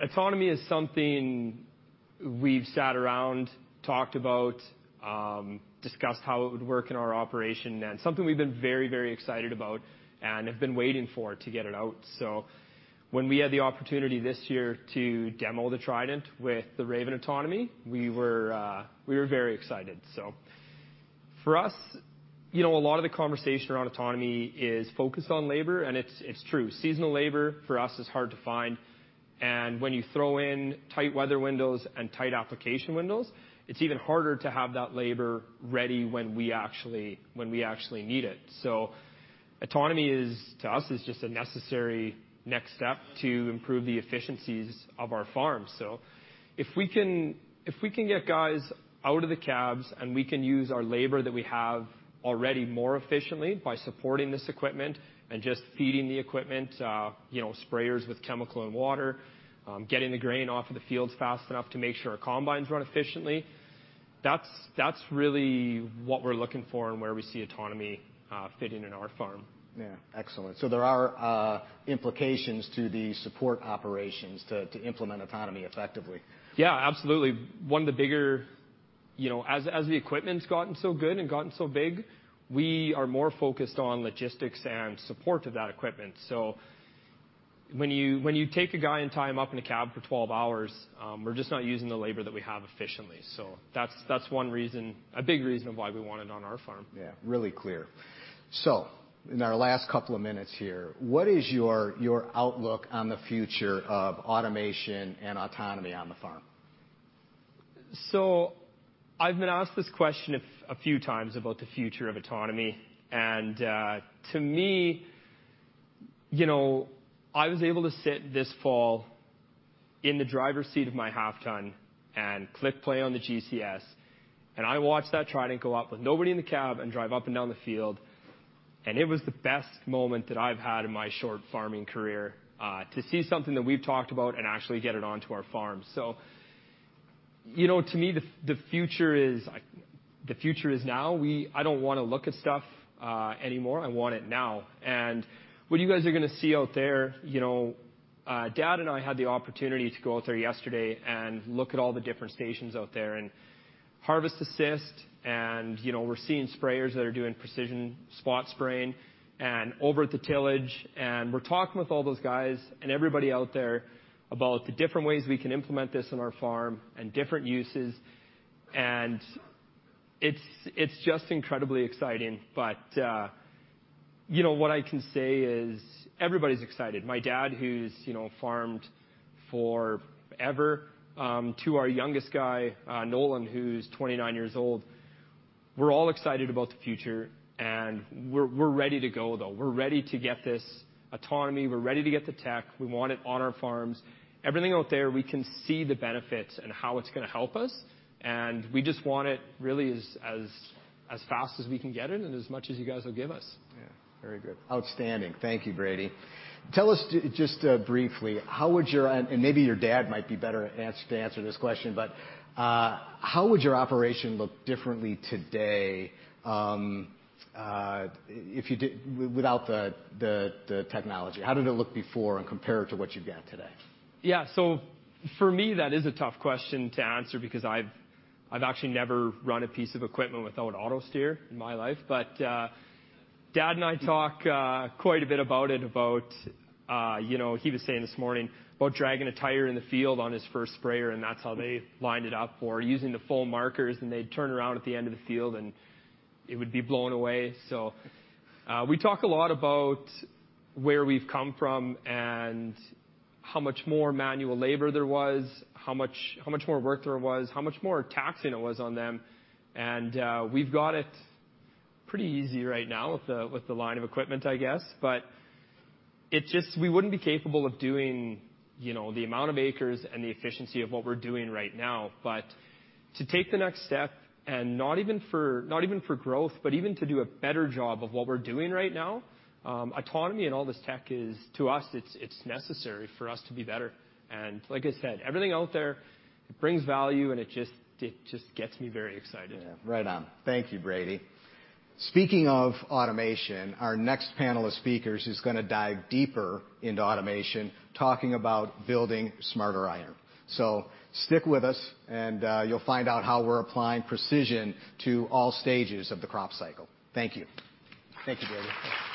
Autonomy is something we've sat around, talked about, discussed how it would work in our operation and something we've been very, very excited about and have been waiting for to get it out. When we had the opportunity this year to demo the Trident with the Raven Autonomy, we were very excited. For us, you know, a lot of the conversation around autonomy is focused on labor, and it's true. Seasonal labor for us is hard to find. When you throw in tight weather windows and tight application windows, it's even harder to have that labor ready when we actually need it. Autonomy is, to us, is just a necessary next step to improve the efficiencies of our farm. If we can get guys out of the cabs and we can use our labor that we have already more efficiently by supporting this equipment and just feeding the equipment, you know, sprayers with chemical and water, getting the grain off of the fields fast enough to make sure our combines run efficiently, that's really what we're looking for and where we see autonomy fitting in our farm. Yeah. Excellent. There are implications to the support operations to implement autonomy effectively. Yeah, absolutely. You know, as the equipment's gotten so good and gotten so big, we are more focused on logistics and support of that equipment. When you take a guy and tie him up in a cab for 12 hours, we're just not using the labor that we have efficiently. That's one reason, a big reason why we want it on our farm. Yeah, really clear. In our last couple of minutes here, what is your outlook on the future of automation and autonomy on the farm? I've been asked this question a few times about the future of autonomy. To me, you know, I was able to sit this fall in the driver's seat of my half-ton and click play on the GCS, and I watched that Trident go up with nobody in the cab and drive up and down the field, and it was the best moment that I've had in my short farming career, to see something that we've talked about and actually get it onto our farm. You know, to me, the future is, the future is now. I don't wanna look at stuff anymore. I want it now. What you guys are gonna see out there, you know, Dad and I had the opportunity to go out there yesterday and look at all the different stations out there and Harvest Assist and, you know, we're seeing sprayers that are doing precision spot spraying and over at the tillage, and we're talking with all those guys and everybody out there about the different ways we can implement this on our farm and different uses. It's just incredibly exciting. You know, what I can say is everybody's excited. My dad, who's, you know, farmed forever, to our youngest guy, Nolan, who's 29 years old, we're all excited about the future, and we're ready to go, though. We're ready to get this autonomy. We're ready to get the tech. We want it on our farms. Everything out there, we can see the benefits and how it's gonna help us, and we just want it really as fast as we can get it and as much as you guys will give us. Yeah. Very good. Outstanding. Thank you, Brady. Tell us just briefly how would your maybe your dad might be better to answer this question, but how would your operation look differently today, if you without the technology? How did it look before and compare it to what you've got today? Yeah. For me, that is a tough question to answer because I've actually never run a piece of equipment without auto steer in my life. Dad and I talk quite a bit about it, about, you know, he was saying this morning about dragging a tire in the field on his first sprayer, and that's how they lined it up for using the full markers, and they'd turn around at the end of the field, and it would be blown away. We talk a lot about where we've come from and how much more manual labor there was, how much more work there was, how much more taxing it was on them. We've got it pretty easy right now with the line of equipment, I guess. We wouldn't be capable of doing, you know, the amount of acres and the efficiency of what we're doing right now. To take the next step and not even for, not even for growth, but even to do a better job of what we're doing right now, autonomy and all this tech is, to us, it's necessary for us to be better. Like I said, everything out there brings value, and it just gets me very excited. Yeah. Right on. Thank you, Brady. Speaking of automation, our next panel of speakers is gonna dive deeper into automation, talking about building smarter iron. Stick with us, and you'll find out how we're applying precision to all stages of the crop cycle. Thank you. Thank you, Brady. Thank you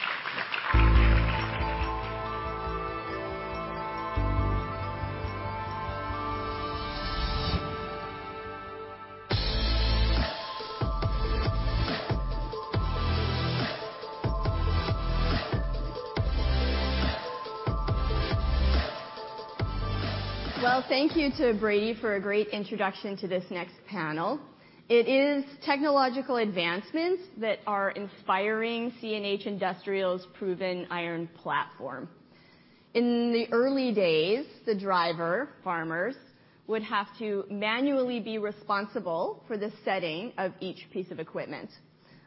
to Brady for a great introduction to this next panel. It is technological advancements that are inspiring CNH Industrial's proven iron platform. In the early days, the driver, farmers, would have to manually be responsible for the setting of each piece of equipment.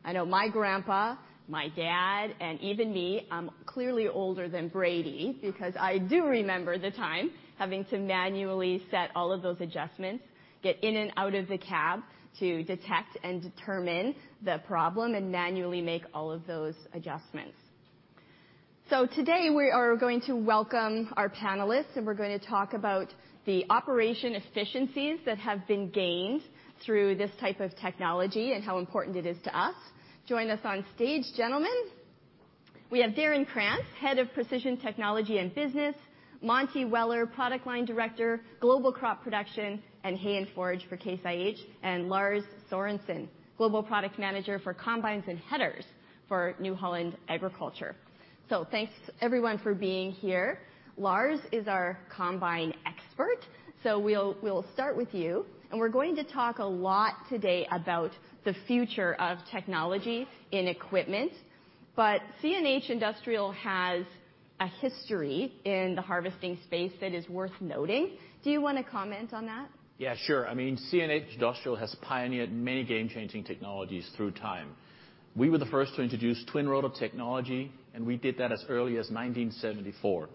I know my grandpa, my dad, and even me, I'm clearly older than Brady because I do remember the time having to manually set all of those adjustments, get in and out of the cab to detect and determine the problem and manually make all of those adjustments. Today, we are going to welcome our panelists, and we're gonna talk about the operation efficiencies that have been gained through this type of technology and how important it is to us. Join us on stage, gentlemen. We have Darin Krantz, head of Precision Technology and Business, Monte Weller, Product Line Director, Global Crop Production, and Hay and Forage for Case IH, and Lars Sorensen, Global Product Manager for Combines and Headers for New Holland Agriculture. Thanks, everyone, for being here. Lars is our combine expert, so we'll start with you. We're going to talk a lot today about the future of technology in equipment. CNH Industrial has a history in the harvesting space that is worth noting. Do you wanna comment on that? Yeah, sure. I mean, CNH Industrial has pioneered many game-changing technologies through time. We were the first to introduce twin rotor technology. We did that as early as 1974.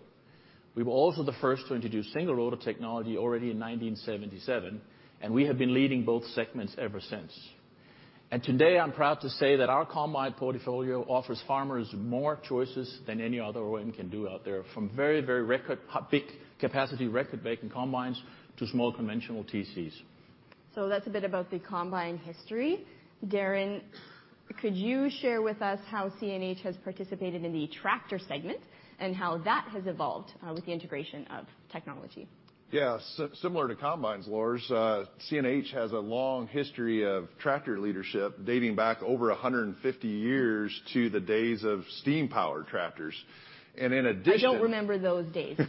We were also the first to introduce single rotor technology already in 1977. We have been leading both segments ever since. Today, I'm proud to say that our combine portfolio offers farmers more choices than any other one can do out there, from very, very big capacity, record-breaking combines to small conventional TCs. That's a bit about the combine history. Darin, could you share with us how CNH has participated in the tractor segment and how that has evolved with the integration of technology? Yeah. Similar to combines, Lars, CNH has a long history of tractor leadership dating back over 150 years to the days of steam-powered tractors. In addition- I don't remember those days.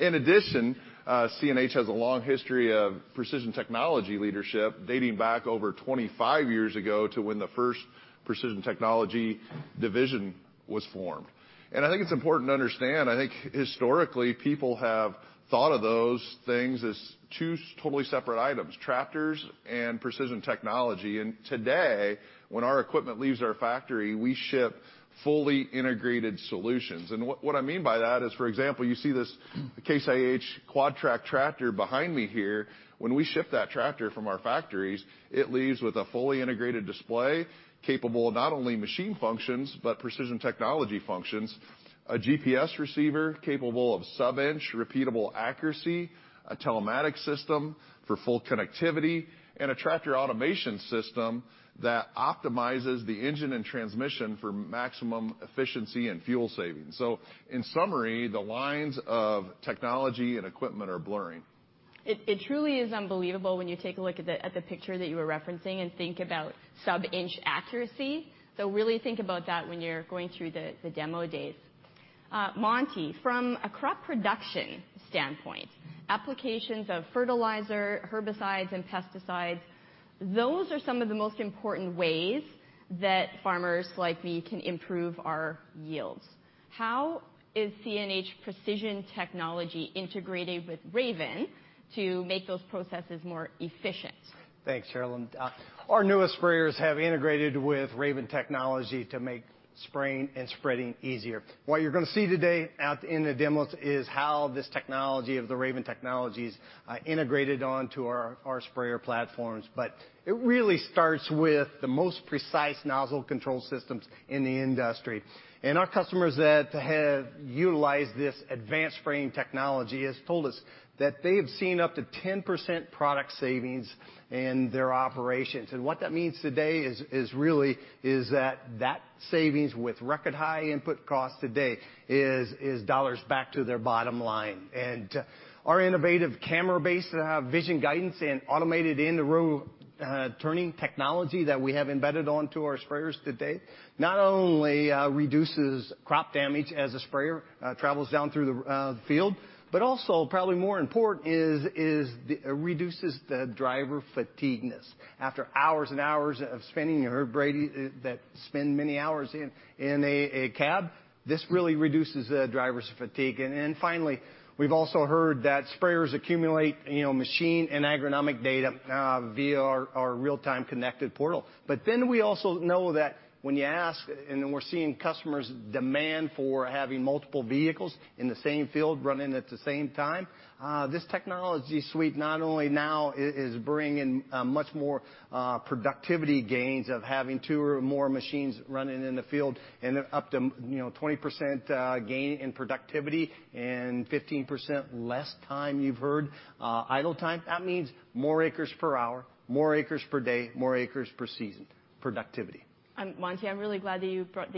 In addition, CNH has a long history of precision technology leadership dating back over 25 years ago to when the first precision technology division was formed. I think it's important to understand, I think historically, people have thought of those things as two totally separate items, tractors and precision technology. Today, when our equipment leaves our factory, we ship fully integrated solutions. What I mean by that is, for example, you see this Case IH Quadtrac tractor behind me here. When we ship that tractor from our factories, it leaves with a fully integrated display capable of not only machine functions, but precision technology functions, a GPS receiver capable of sub-inch repeatable accuracy, a telematic system for full connectivity, and a tractor automation system, that optimizes the engine and transmission for maximum efficiency and fuel savings. In summary, the lines of technology and equipment are blurring. It truly is unbelievable when you take a look at the picture that you were referencing and think about sub-inch accuracy. Really think about that when you're going through the demo days. Monte, from a crop production standpoint, applications of fertilizer, herbicides, and pesticides, those are some of the most important ways that farmers like me can improve our yields. How is CNH precision technology integrated with Raven to make those processes more efficient? Thanks, Carolyn. Our newest sprayers have integrated with Raven technology to make spraying and spreading easier. What you're gonna see today out in the demos is how this technology of the Raven technology's integrated onto our sprayer platforms. It really starts with the most precise nozzle control systems in the industry. Our customers that have utilized this advanced framing technology has told us that they have seen up to 10% product savings in their operations. What that means today is, really that savings with record high input costs today is dollars back to their bottom line. Our innovative camera-based, vision guidance and automated in-the-row turning technology that we have embedded onto our sprayers today not only reduces crop damage as a sprayer travels down through the field, but also probably more important is, it reduces the driver fatigueness. After hours and hours of spending, you heard Brady, that spend many hours in a cab, this really reduces the driver's fatigue. Finally, we've also heard that sprayers accumulate, you know, machine and agronomic data via our real-time connected portal. We also know that when you ask, and then we're seeing customers' demand for having multiple vehicles in the same field running at the same time, this technology suite not only now is bringing much more productivity gains of having two or more machines running in the field and up to, you know, 20% gain in productivity and 15% less time, you've heard, idle time. That means more acres per hour, more acres per day, more acres per season. Productivity. Monte, I'm really glad that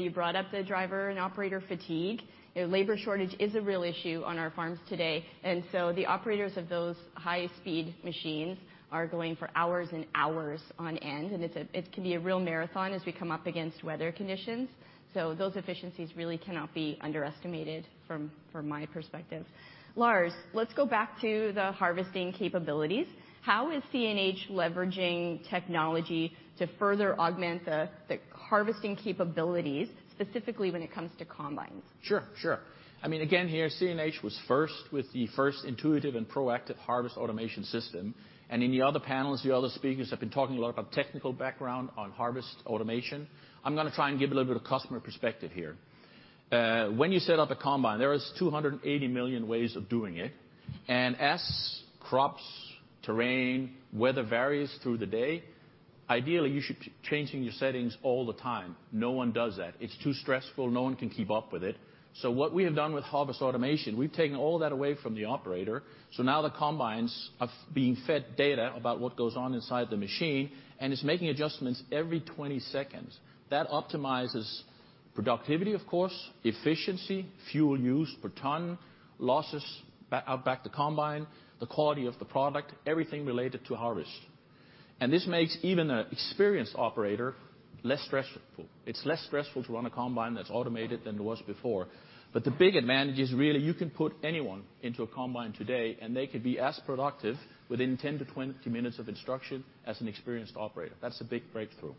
you brought up the driver and operator fatigue. You know, labor shortage is a real issue on our farms today. The operators of those high-speed machines are going for hours and hours on end, and it can be a real marathon as we come up against weather conditions. Those efficiencies really cannot be underestimated from my perspective. Lars, let's go back to the harvesting capabilities. How is CNH leveraging technology to further augment the harvesting capabilities, specifically when it comes to combines? Sure, sure. I mean, again, here, CNH was first with the first intuitive and proactive harvest automation system. In the other panels, the other speakers have been talking a lot about technical background on harvest automation. I'm gonna try and give a little bit of customer perspective here. When you set up a combine, there is 280 million ways of doing it. As crops, terrain, weather varies through the day, ideally, you should be changing your settings all the time. No one does that. It's too stressful. No one can keep up with it. What we have done with harvest automation, we've taken all that away from the operator, so now the combines are being fed data about what goes on inside the machine, and it's making adjustments every 20 seconds. That optimizes productivity, of course, efficiency, fuel use per ton, losses back, out back the combine, the quality of the product, everything related to harvest. This makes even an experienced operator less stressful. It's less stressful to run a combine that's automated than it was before. The big advantage is really you can put anyone into a combine today, and they could be as productive within 10 to 20 minutes of instruction as an experienced operator. That's a big breakthrough.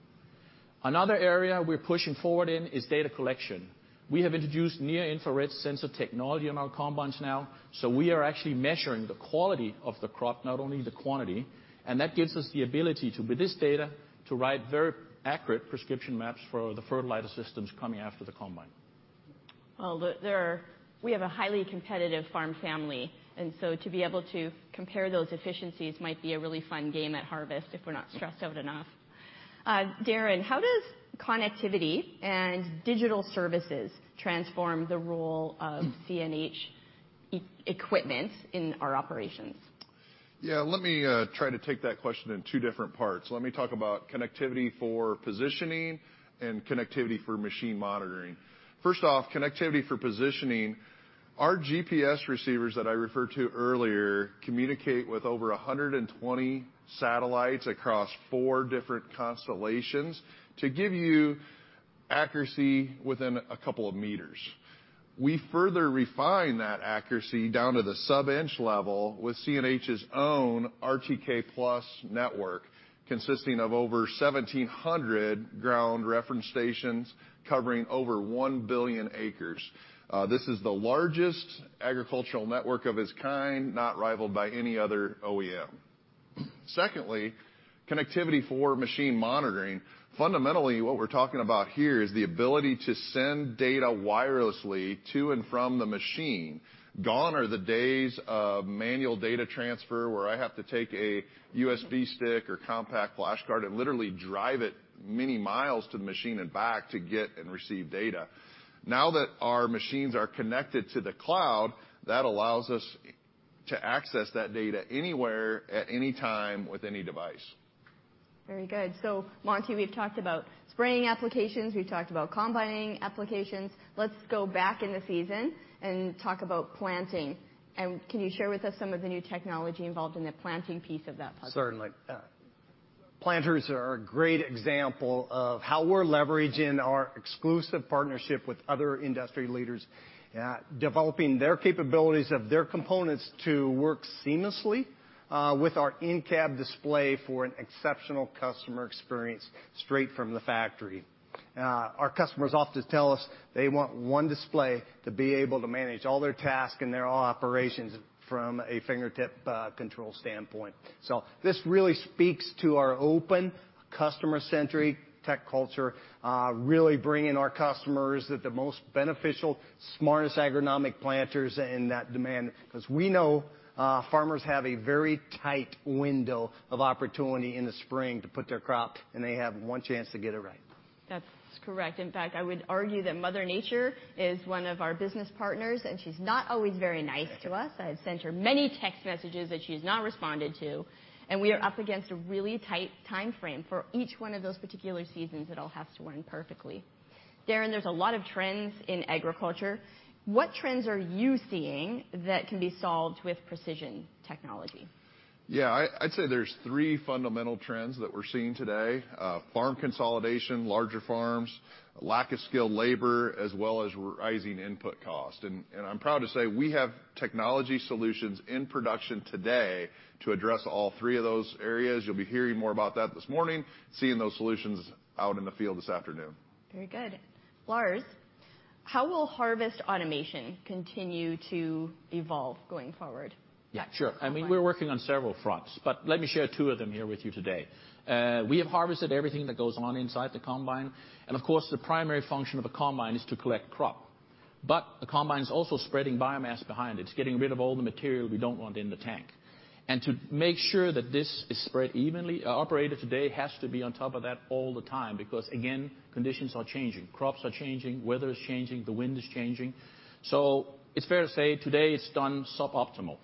Another area we're pushing forward in is data collection. We have introduced near-infrared sensor technology on our combines now, so we are actually measuring the quality of the crop, not only the quantity. That gives us the ability to, with this data, to write very accurate prescription maps for the fertilizer systems coming after the combine. Well, we have a highly competitive farm family. To be able to compare those efficiencies might be a really fun game at harvest if we're not stressed out enough. Darin, how does connectivity and digital services transform the role of CNH e-equipment in our operations? Yeah. Let me try to take that question in two different parts. Let me talk about connectivity for positioning and connectivity for machine monitoring. First off, connectivity for positioning. Our GPS receivers that I referred to earlier communicate with over 120 satellites across four different constellations to give you accuracy within a couple of meters. We further refine that accuracy down to the sub-inch level with CNH's own RTK+ network, consisting of over 1,700 ground reference stations covering over 1 billion acres. This is the largest agricultural network of its kind, not rivaled by any other OEM. Secondly, connectivity for machine monitoring. Fundamentally, what we're talking about here is the ability to send data wirelessly to and from the machine. Gone are the days of manual data transfer, where I have to take a USB stick or compact flash card and literally drive it many miles to the machine and back to get and receive data. Now that our machines are connected to the cloud, that allows us to access that data anywhere at any time with any device. Very good. Monte, we've talked about spraying applications, we've talked about combining applications. Let's go back in the season and talk about planting. Can you share with us some of the new technology involved in the planting piece of that puzzle? Certainly. Planters are a great example of how we're leveraging our exclusive partnership with other industry leaders at developing their capabilities of their components to work seamlessly with our in-cab display for an exceptional customer experience straight from the factory. Our customers often tell us they want one display to be able to manage all their tasks and their operations from a fingertip control standpoint. This really speaks to our open customer-centric tech culture, really bringing our customers the most beneficial, smartest agronomic planters and that demand. We know farmers have a very tight window of opportunity in the spring to put their crop, and they have one chance to get it right. That's correct. In fact, I would argue that Mother Nature is one of our business partners, and she's not always very nice to us. I've sent her many text messages that she's not responded to, and we are up against a really tight timeframe for each one of those particular seasons that all have to run perfectly. Darren, there's a lot of trends in agriculture. What trends are you seeing that can be solved with precision technology? Yeah. I'd say there's three fundamental trends that we're seeing today, farm consolidation, larger farms, a lack of skilled labor, as well as rising input costs. I'm proud to say we have technology solutions in production today to address all three of those areas. You'll be hearing more about that this morning, seeing those solutions out in the field this afternoon. Very good. Lars, how will harvest automation continue to evolve going forward? Yeah. Sure. I mean, we're working on several fronts. Let me share 2 of them here with you today. We have harvested everything that goes on inside the combine, of course the primary function of a combine is to collect crop. The combine's also spreading biomass behind. It's getting rid of all the material we don't want in the tank. To make sure that this is spread evenly, our operator today has to be on top of that all the time because, again, conditions are changing. Crops are changing, weather is changing, the wind is changing. It's fair to say today it's done suboptimal.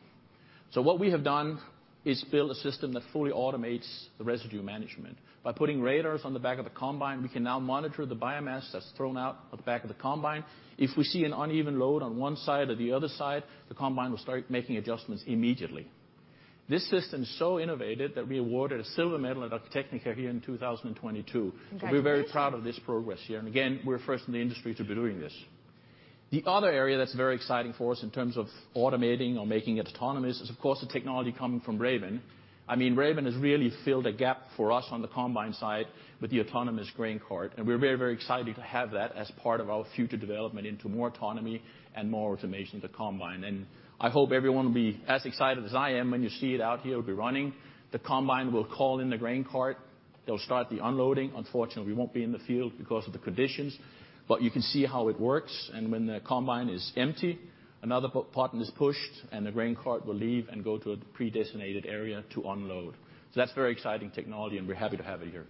What we have done is build a system that fully automates the residue management. By putting radars on the back of the combine, we can now monitor the biomass that's thrown out of the back of the combine. If we see an uneven load on one side or the other side, the combine will start making adjustments immediately. This system's so innovative that we awarded a silver medal at Agritechnica here in 2022. Congratulations. We're very proud of this progress here. Again, we're first in the industry to be doing this. The other area that's very exciting for us in terms of automating or making it autonomous is of course the technology coming from Raven. I mean, Raven has really filled a gap for us on the combine side with the autonomous grain cart, and we're very, very excited to have that as part of our future development into more autonomy and more automation to combine. I hope everyone will be as excited as I am when you see it out here. It'll be running. The combine will call in the grain cart. It'll start the unloading. Unfortunately, we won't be in the field because of the conditions, but you can see how it works. When the combine is empty, another button is pushed, the grain cart will leave and go to a predesignated area to unload. That's very exciting technology and we're happy to have it here.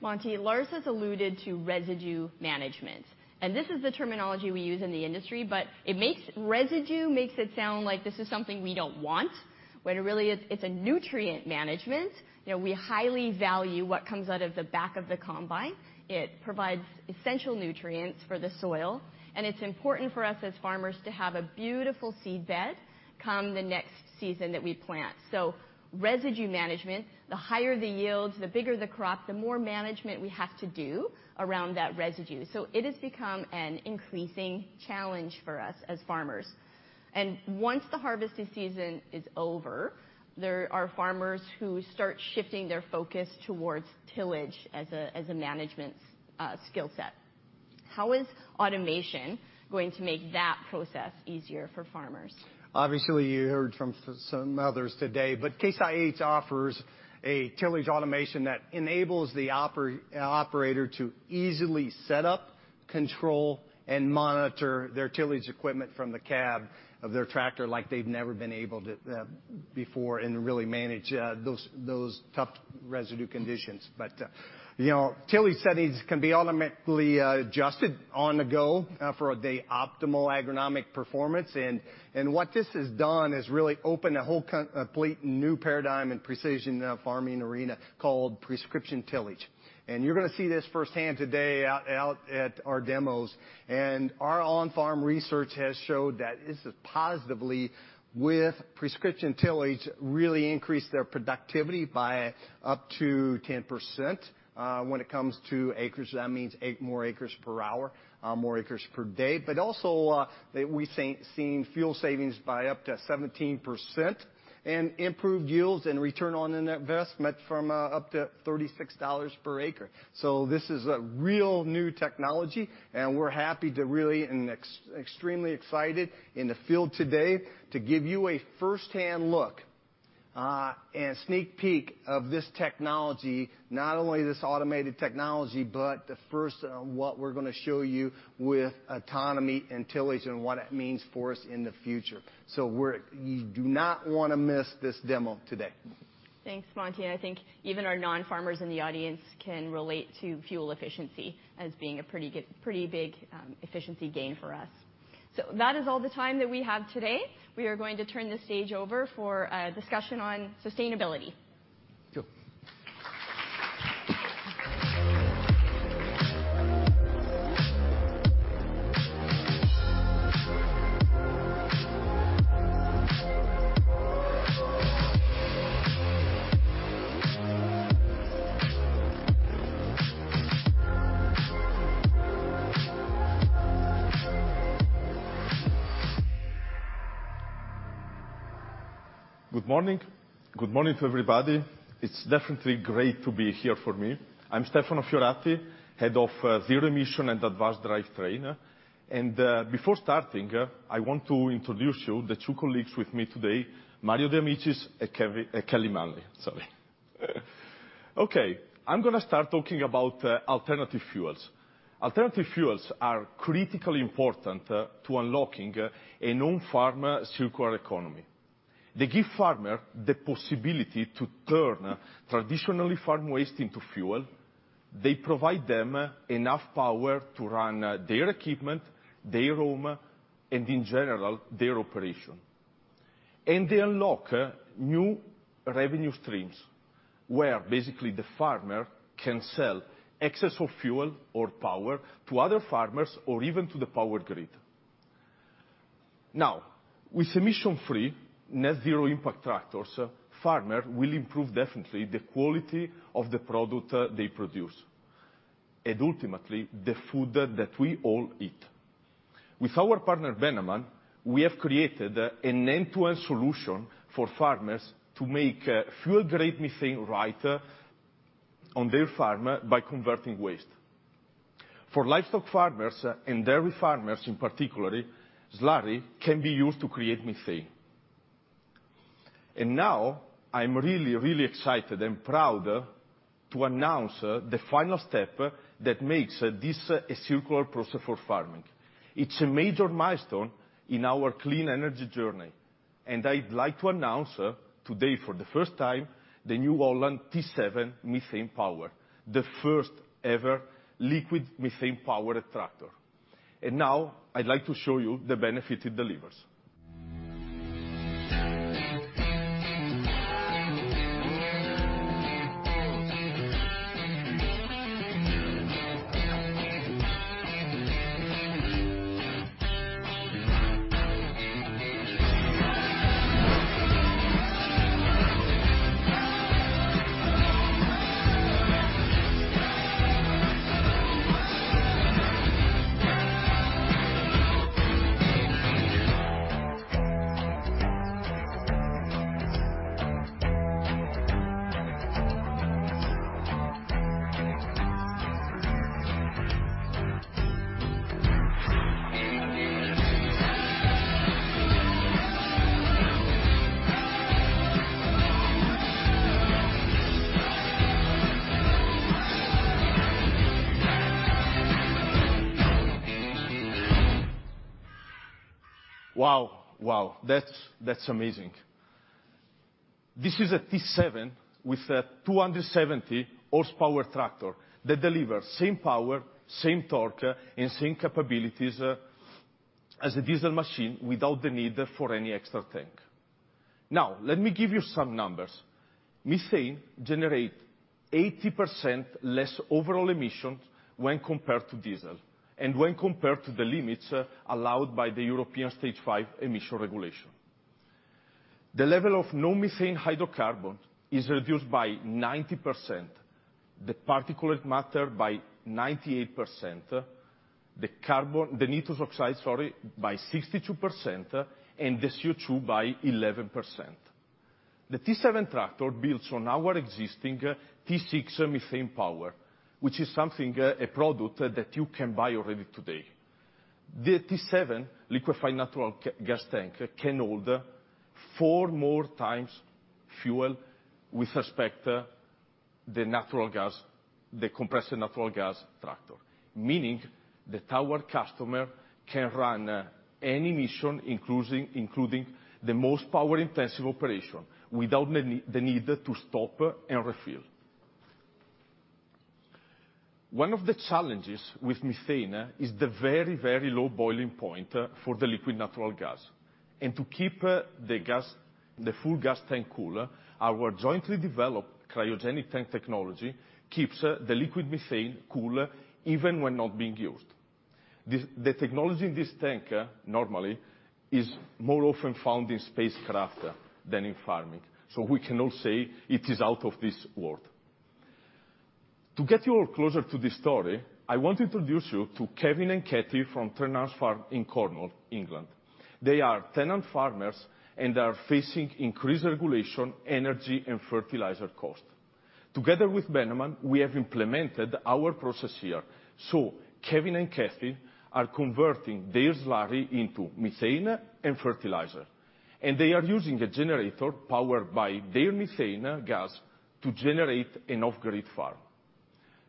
Monte, Lars has alluded to residue management. This is the terminology we use in the industry, but it makes residue sound like this is something we don't want when really it's a nutrient management. You know, we highly value what comes out of the back of the combine. It provides essential nutrients for the soil. It's important for us as farmers to have a beautiful seedbed come the next season that we plant. Residue management, the higher the yields, the bigger the crop, the more management we have to do around that residue. It has become an increasing challenge for us as farmers. Once the harvesting season is over, there are farmers who start shifting their focus towards tillage as a management skill set. How is automation going to make that process easier for farmers? You heard from some others today, Case IH offers a tillage automation that enables the operator to easily set up, control, and monitor their tillage equipment from the cab of their tractor like they've never been able to before and to really manage those tough residue conditions. You know, tillage settings can be automatically adjusted on the go for the optimal agronomic performance. What this has done is really open a whole complete new paradigm in precision farming arena called prescription tillage. You're gonna see this firsthand today out at our demos. Our on-farm research has showed that this has positively, with prescription tillage, really increased their productivity by up to 10%. When it comes to acres, that means eight more acres per hour, more acres per day, but also, we're seeing fuel savings by up to 17% and improved yields and return on investment from up to $36 per acre. This is a real new technology, and we're happy to really and extremely excited in the field today to give you a firsthand look and a sneak peek of this technology, not only this automated technology, but the first of what we're gonna show you with autonomy and tillage and what it means for us in the future. You do not wanna miss this demo today. Thanks, Monte. I think even our non-farmers in the audience can relate to fuel efficiency as being a pretty big efficiency gain for us. That is all the time that we have today. We are going to turn the stage over for a discussion on sustainability. Cool. Good morning. Good morning to everybody. It's definitely great to be here for me. I'm Stefano Fiorati, Head of Zero Emission and Advanced Drivetrain. Before starting, I want to introduce you the two colleagues with me today, Mario De Amicis and Kelly Manley. Sorry. Okay, I'm gonna start talking about alternative fuels. Alternative fuels are critically important to unlocking a non-farmer circular economy. They give farmer the possibility to turn traditionally farm waste into fuel. They provide them enough power to run their equipment, their home, and in general, their operation. They unlock new revenue streams, where basically the farmer can sell excess of fuel or power to other farmers or even to the power grid. Now, with emission-free net zero impact tractors, farmer will improve definitely the quality of the product they produce, and ultimately the food that we all eat. With our partner, Bennamann, we have created an end-to-end solution for farmers to make fuel-grade methane right on their farm by converting waste. For livestock farmers and dairy farmers in particularly, slurry can be used to create methane. Now I'm really excited and proud to announce the final step that makes this a circular process for farming. It's a major milestone in our clean energy journey, and I'd like to announce today for the first time, the New Holland T7 Methane Power, the first-ever liquid methane powered tractor. Now I'd like to show you the benefit it delivers. Wow. Wow. That's amazing. This is a T7 with a 270 horsepower tractor that delivers same power, same torque, and same capabilities as a diesel machine without the need for any extra tank. Let me give you some numbers. Methane generate 80% less overall emissions when compared to diesel, and when compared to the limits allowed by the European Stage V emission regulation. The level of non-methane hydrocarbon is reduced by 90%, the particulate matter by 98%, the nitrous oxide, sorry, by 62%, and the CO2 by 11%. The T7 tractor builds on our existing T6 Methane Power, which is something, a product that you can buy already today. The T7 liquefied natural gas tank can hold four more times fuel with respect, the natural gas, the compressed natural gas tractor, meaning that our customer can run any mission, including the most power-intensive operation without the need to stop and refill. One of the challenges with methane is the very low boiling point for the liquid natural gas. To keep the full gas tank cool, our jointly developed cryogenic tank technology keeps the liquid methane cool even when not being used. The technology in this tank normally is more often found in spacecraft than in farming, so we can all say it is out of this world. To get you all closer to this story, I want introduce you to Kevin and Kathy from Trenarlett Farm in Cornwall, England. They are tenant farmers and are facing increased regulation, energy, and fertilizer cost. Together with Bennamann, we have implemented our process here, so Kevin and Kathy are converting their slurry into methane and fertilizer, and they are using the generator powered by their methane gas to generate an off-grid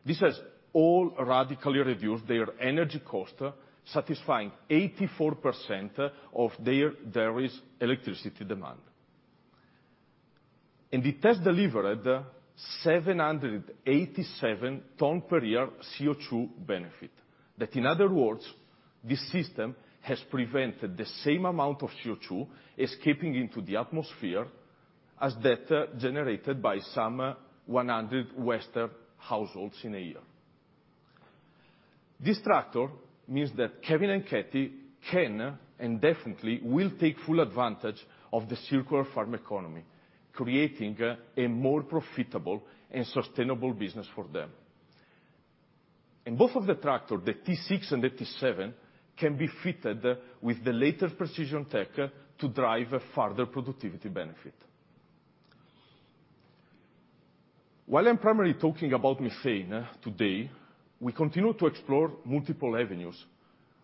farm. This has all radically reduced their energy cost, satisfying 84% of their is electricity demand. It has delivered 787 ton per year CO2 benefit. That in other words, this system has prevented the same amount of CO2 escaping into the atmosphere as that generated by some 100 Western households in a year. This tractor means that Kevin and Kathy can, and definitely will take full advantage of the circular farm economy, creating a more profitable and sustainable business for them. Both of the tractor, the T6 and the T7, can be fitted with the latest precision tech to drive a further productivity benefit. While I'm primarily talking about methane today, we continue to explore multiple avenues.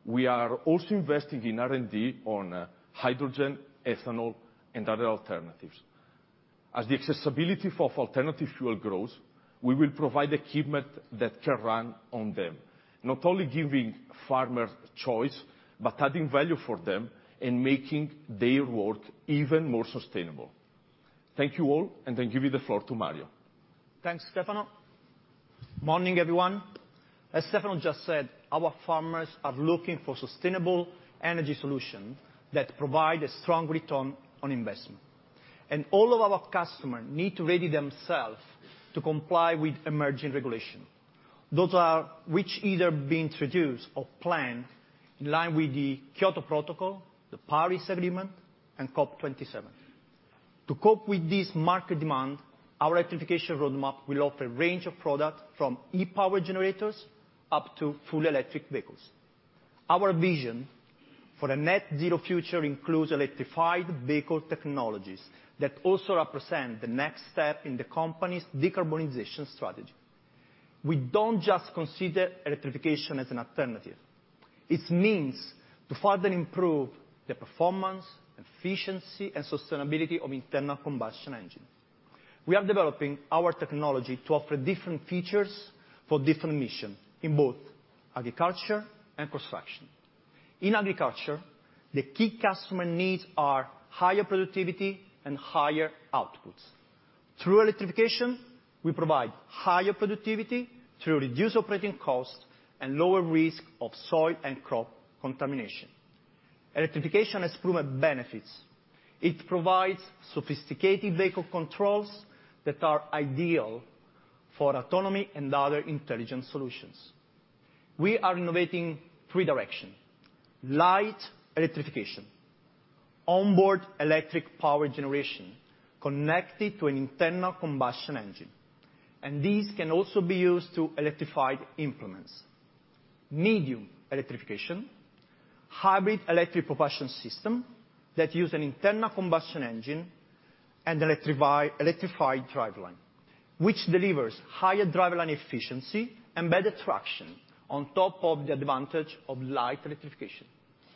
We are also investing in R&D on hydrogen, ethanol, and other alternatives. As the accessibility for alternative fuel grows, we will provide equipment that can run on them, not only giving farmers choice, but adding value for them in making their work even more sustainable. Thank you all, and I give you the floor to Mario. Thanks, Stefano. Morning, everyone. As Stefano just said, our farmers are looking for sustainable energy solution that provide a strong return on investment. All of our customer need to ready themselves to comply with emerging regulation. Those are which either being introduced or planned in line with the Kyoto Protocol, the Paris Agreement, and COP27. To cope with this market demand, our electrification roadmap will offer a range of product from ePower generators up to full electric vehicles. Our vision for a net zero future includes electrified vehicle technologies that also represent the next step in the company's decarbonization strategy. We don't just consider electrification as an alternative. It means to further improve the performance, efficiency and sustainability of internal combustion engines. We are developing our technology to offer different features for different mission in both agriculture and construction. In agriculture, the key customer needs are higher productivity and higher outputs. Through electrification, we provide higher productivity through reduced operating costs and lower risk of soil and crop contamination. Electrification has proven benefits. It provides sophisticated vehicle controls that are ideal for autonomy and other intelligent solutions. We are innovating three direction. Light electrification, onboard electric power generation connected to an internal combustion engine, and these can also be used to electrified implements. Medium electrification, hybrid electric propulsion system that use an internal combustion engine and electrified driveline, which delivers higher driveline efficiency and better traction on top of the advantage of light electrification.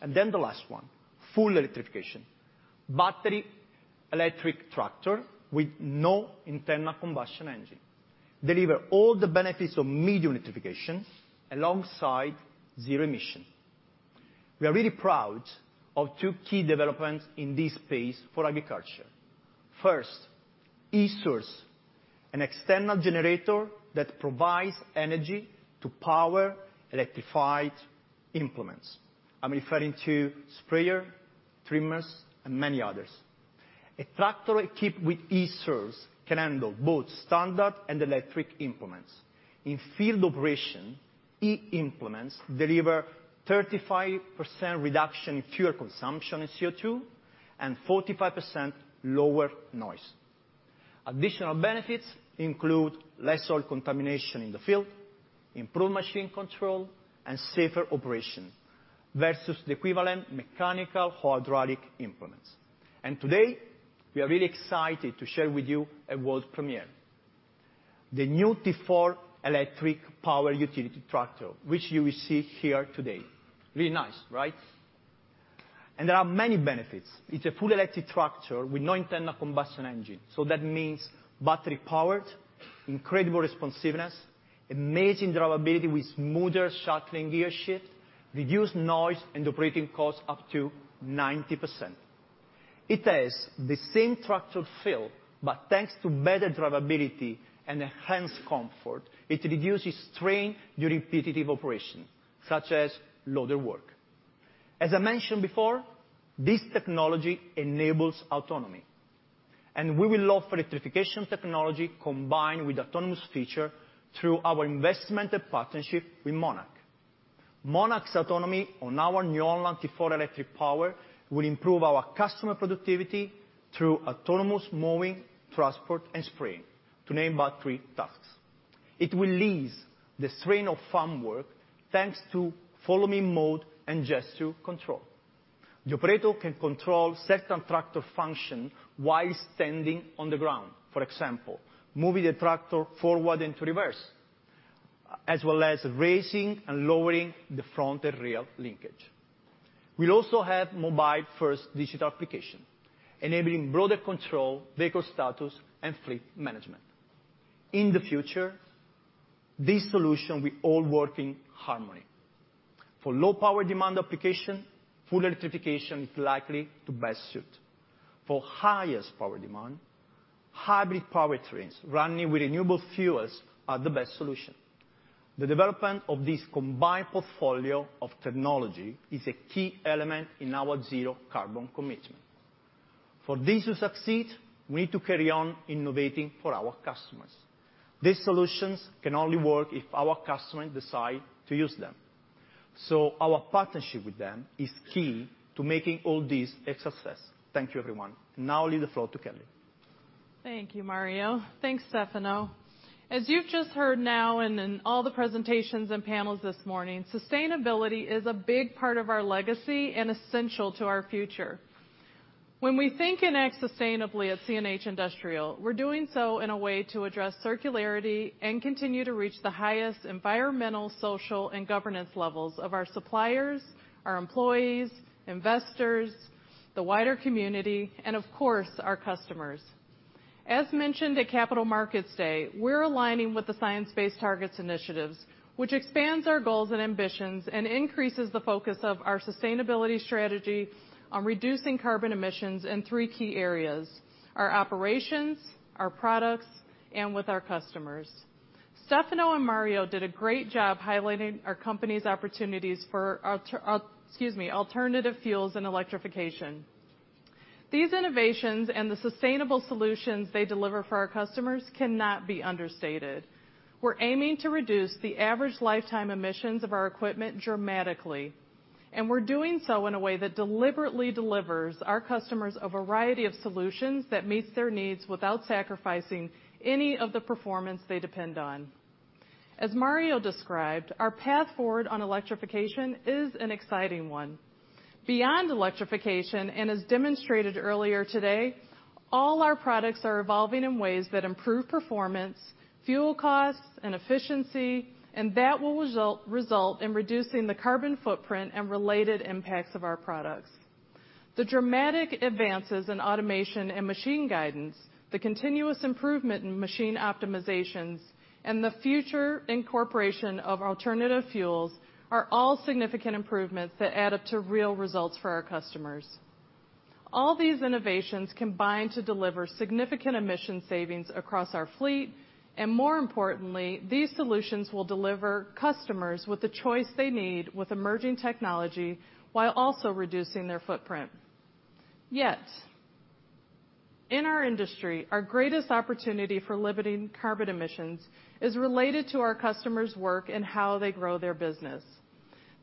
The last one, full electrification. Battery electric tractor with no internal combustion engine deliver all the benefits of medium electrification alongside zero emission. We are really proud of two key developments in this space for agriculture. First, e-Source, an external generator that provides energy to power electrified implements. I'm referring to sprayer, trimmers, and many others. A tractor equipped with e-Source can handle both standard and electric implements. In field operation, e-Implements deliver 35% reduction in fuel consumption and CO2, and 45% lower noise. Additional benefits include less soil contamination in the field, improved machine control, and safer operation versus the equivalent mechanical hydraulic implements. Today, we are really excited to share with you a world premiere, the new T4 Electric Power utility tractor, which you will see here today. Really nice, right? There are many benefits. It's a full electric tractor with no internal combustion engine, so that means battery-powered, incredible responsiveness, amazing drivability with smoother shifting gearshift, reduced noise and operating costs up to 90%. It has the same tractor feel, but thanks to better drivability and enhanced comfort, it reduces strain during repetitive operation, such as loader work. As I mentioned before, this technology enables autonomy, and we will offer electrification technology combined with autonomous feature through our investment and partnership with Monarch. Monarch's autonomy on our new T4 Electric Power will improve our customer productivity through autonomous mowing, transport, and spraying, to name but three tasks. It will ease the strain of farm work, thanks to follow me mode and gesture control. The operator can control certain tractor function while standing on the ground, for example, moving the tractor forward into reverse, as well as raising and lowering the front and rear linkage. We'll also have mobile first digital application, enabling broader control, vehicle status, and fleet management. In the future, this solution will all work in harmony. For low power demand application, full electrification is likely to best suit. For highest power demand, hybrid powertrains running with renewable fuels are the best solution. The development of this combined portfolio of technology is a key element in our zero carbon commitment. For this to succeed, we need to carry on innovating for our customers. These solutions can only work if our customers decide to use them. Our partnership with them is key to making all this a success. Thank you, everyone. Now I leave the floor to Kelly. Thank you, Mario. Thanks, Stefano. As you've just heard now and in all the presentations and panels this morning, sustainability is a big part of our legacy and essential to our future. When we think and act sustainably at CNH Industrial, we're doing so in a way to address circularity and continue to reach the highest environmental, social, and governance levels of our suppliers, our employees, investors, the wider community, and of course, our customers. As mentioned at Capital Markets Day, we're aligning with the Science Based Targets initiative, which expands our goals and ambitions and increases the focus of our sustainability strategy on reducing carbon emissions in three key areas: our operations, our products, and with our customers. Stefano and Mario did a great job highlighting our company's opportunities for alternative fuels and electrification. These innovations and the sustainable solutions they deliver for our customers cannot be understated. We're aiming to reduce the average lifetime emissions of our equipment dramatically, and we're doing so in a way that deliberately delivers our customers a variety of solutions that meets their needs without sacrificing any of the performance they depend on. As Mario described, our path forward on electrification is an exciting one. Beyond electrification, and as demonstrated earlier today, all our products are evolving in ways that improve performance, fuel costs, and efficiency, and that will result in reducing the carbon footprint and related impacts of our products. The dramatic advances in automation and machine guidance, the continuous improvement in machine optimizations, and the future incorporation of alternative fuels are all significant improvements that add up to real results for our customers. All these innovations combine to deliver significant emission savings across our fleet, and more importantly, these solutions will deliver customers with the choice they need with emerging technology while also reducing their footprint. Yet, in our industry, our greatest opportunity for limiting carbon emissions is related to our customers' work and how they grow their business.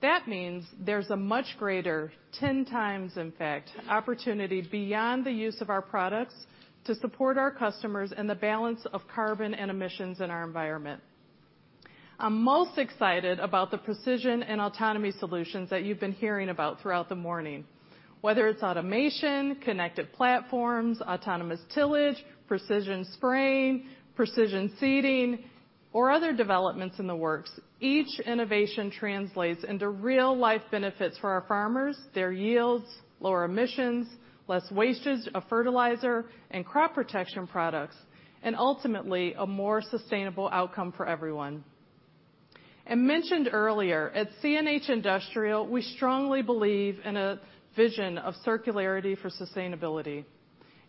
That means there's a much greater, 10x, in fact, opportunity beyond the use of our products to support our customers in the balance of carbon and emissions in our environment. I'm most excited about the precision and autonomy solutions that you've been hearing about throughout the morning. Whether it's automation, connected platforms, autonomous tillage, precision spraying, precision seeding, or other developments in the works, each innovation translates into real life benefits for our farmers, their yields, lower emissions, less wastage of fertilizer and crop protection products, and ultimately, a more sustainable outcome for everyone. Mentioned earlier, at CNH Industrial, we strongly believe in a vision of circularity for sustainability.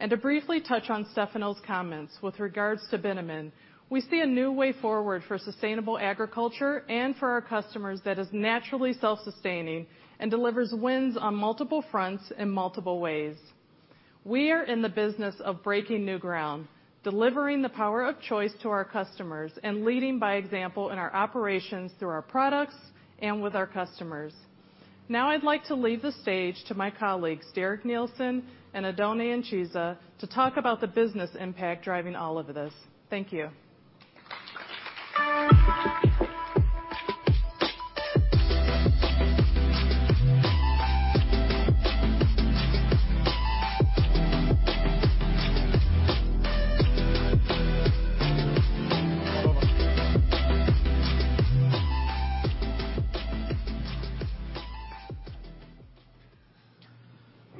To briefly touch on Stefano's comments with regards to Bennamann, we see a new way forward for sustainable agriculture and for our customers that is naturally self-sustaining and delivers wins on multiple fronts in multiple ways. We are in the business of breaking new ground, delivering the power of choice to our customers, and leading by example in our operations through our products and with our customers. Now I'd like to leave the stage to my colleagues, Derek Neilson and Oddone Incisa, to talk about the business impact driving all of this. Thank you.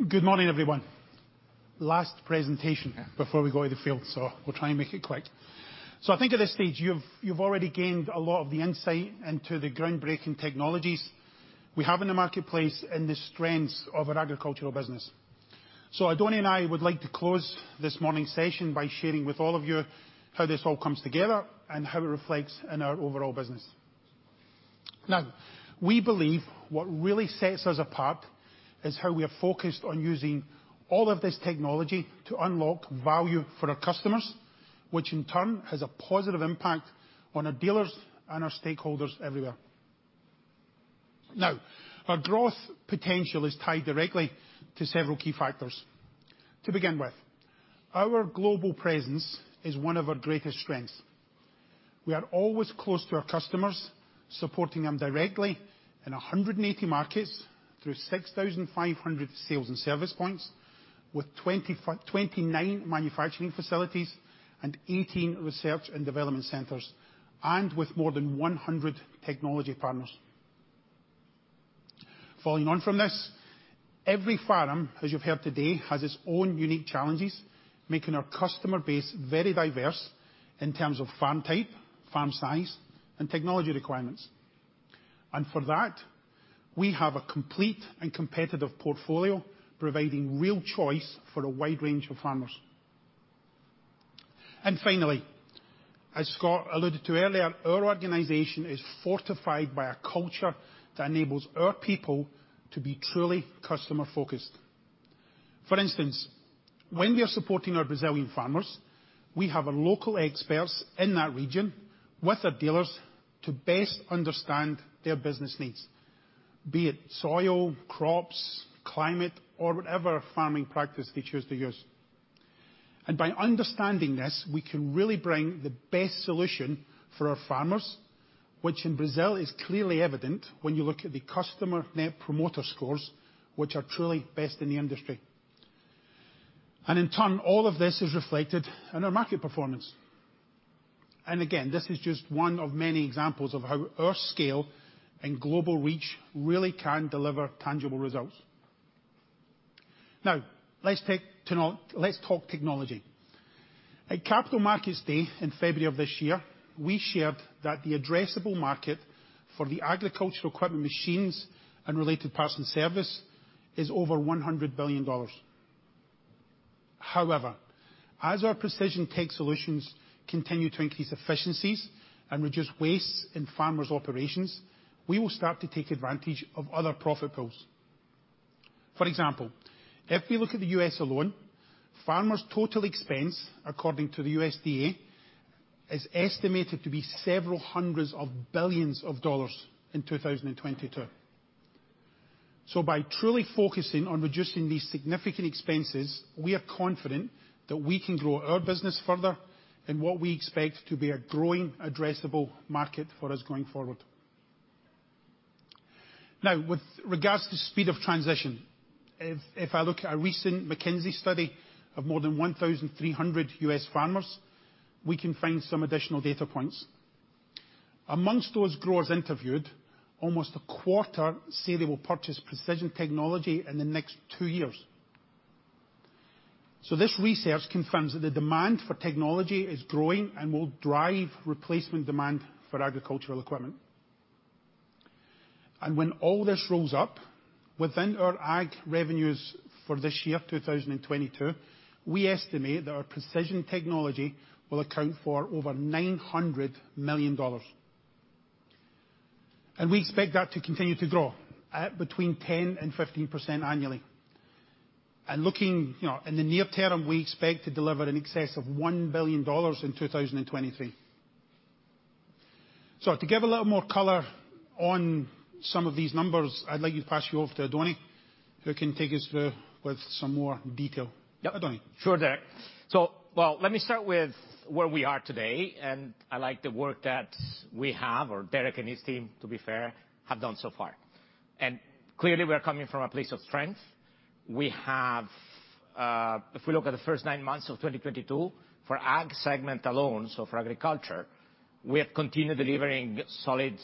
Good morning, everyone. Last presentation- Yeah. Before we go to the field, we'll try and make it quick. I think at this stage, you've already gained a lot of the insight into the groundbreaking technologies we have in the marketplace and the strengths of our agricultural business. Oddone Incisa and I would like to close this morning's session by sharing with all of you how this all comes together and how it reflects in our overall business. We believe what really sets us apart is how we are focused on using all of this technology to unlock value for our customers, which in turn has a positive impact on our dealers and our stakeholders everywhere. Our growth potential is tied directly to several key factors. To begin with, our global presence is one of our greatest strengths. We are always close to our customers, supporting them directly in 180 markets through 6,500 sales and service points, with 29 manufacturing facilities, and 18 research and development centers, and with more than 100 technology partners. Following on from this, every farm, as you've heard today, has its own unique challenges, making our customer base very diverse in terms of farm type, farm size, and technology requirements. For that, we have a complete and competitive portfolio, providing real choice for a wide range of farmers. Finally, as Scott alluded to earlier, our organization is fortified by a culture that enables our people to be truly customer-focused. For instance, when we are supporting our Brazilian farmers, we have our local experts in that region with our dealers to best understand their business needs, be it soil, crops, climate, or whatever farming practice they choose to use. By understanding this, we can really bring the best solution for our farmers, which in Brazil is clearly evident when you look at the customer Net Promoter Scores, which are truly best in the industry. In turn, all of this is reflected in our market performance. Again, this is just one of many examples of how our scale and global reach really can deliver tangible results. Let's talk technology. At Capital Markets Day in February of this year, we shared that the addressable market for the agricultural equipment machines and related parts and service is over $100 billion. However, as our precision tech solutions continue to increase efficiencies and reduce waste in farmers' operations, we will start to take advantage of other profit pools. For example, if we look at the U.S. alone, farmers' total expense, according to the USDA, is estimated to be several hundreds of billions of dollars in 2022. By truly focusing on reducing these significant expenses, we are confident that we can grow our business further in what we expect to be a growing addressable market for us going forward. Now, with regards to speed of transition, if I look at a recent McKinsey study of more than 1,300 U.S. farmers, we can find some additional data points. Amongst those growers interviewed, almost a quarter say they will purchase precision technology in the next two years. This research confirms that the demand for technology is growing and will drive replacement demand for agricultural equipment. When all this rolls up, within our Ag revenues for this year, 2022, we estimate that our precision technology will account for over $900 million. We expect that to continue to grow at between 10%-15% annually. Looking, you know, in the near term, we expect to deliver in excess of $1 billion in 2023. To give a little more color on some of these numbers, I'd like you to pass you over to Oddone, who can take us through with some more detail. Oddone? Sure, Derek. Well, let me start with where we are today, I like the work that we have, or Derek and his team, to be fair, have done so far. Clearly, we are coming from a place of strength. We have, if we look at the first nine months of 2022, for Ag segment alone, so for agriculture, we have continued delivering solid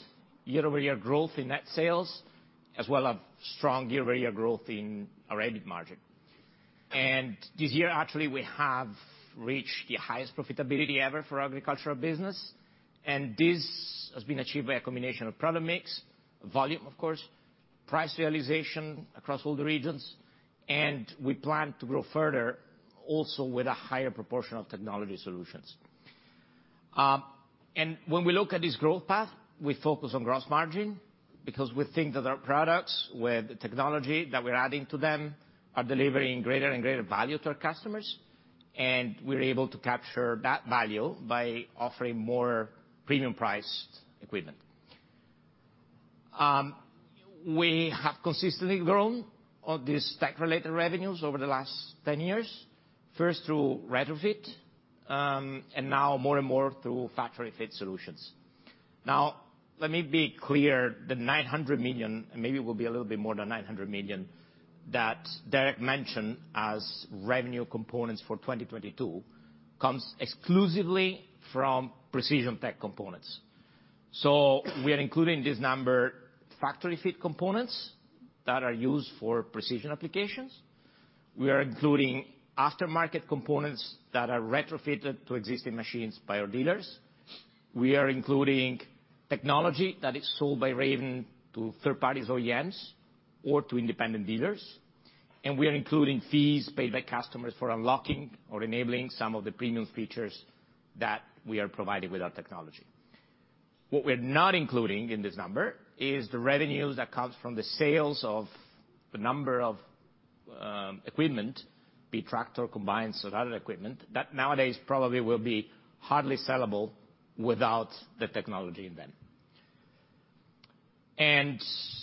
year-over-year growth in net sales, as well as strong year-over-year growth in our EBIT margin. This year, actually, we have reached the highest profitability ever for our agricultural business. This has been achieved by a combination of product mix, volume, of course, price realization across all the regions, and we plan to grow further also with a higher proportion of technology solutions. When we look at this growth path, we focus on gross margin because we think that our products with the technology that we're adding to them are delivering greater and greater value to our customers, and we're able to capture that value by offering more premium priced equipment. We have consistently grown all these tech-related revenues over the last 10 years, first through retrofit, and now more and more through factory fit solutions. Let me be clear, the $900 million, maybe it will be a little bit more than $900 million, that Derek mentioned as revenue components for 2022 comes exclusively from precision tech components. We are including this number, factory fit components that are used for precision applications, we are including aftermarket components that are retrofitted to existing machines by our dealers, we are including technology that is sold by Raven to third parties, OEMs, or to independent dealers, and we are including fees paid by customers for unlocking or enabling some of the premium features that we are providing with our technology. What we're not including in this number is the revenues that comes from the sales of the number of equipment, be it tractor, combines, or other equipment, that nowadays probably will be hardly sellable without the technology in them.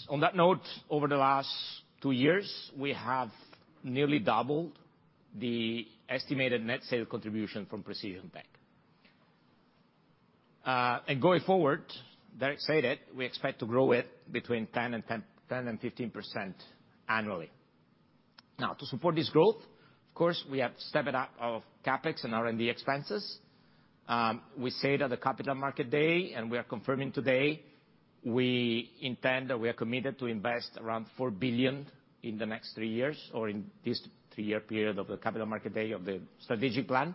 On that note, over the last two years, we have nearly doubled the estimated net sales contribution from precision tech. Going forward, Derek said it, we expect to grow it between 10% and 15% annually. Now to support this growth, of course, we have stepped it up of CapEx and R&D expenses. We say that the Capital Markets Day, and we are confirming today, we intend or we are committed to invest around $4 billion in the next three years or in this three-year period of the Capital Markets Day of the strategic plan,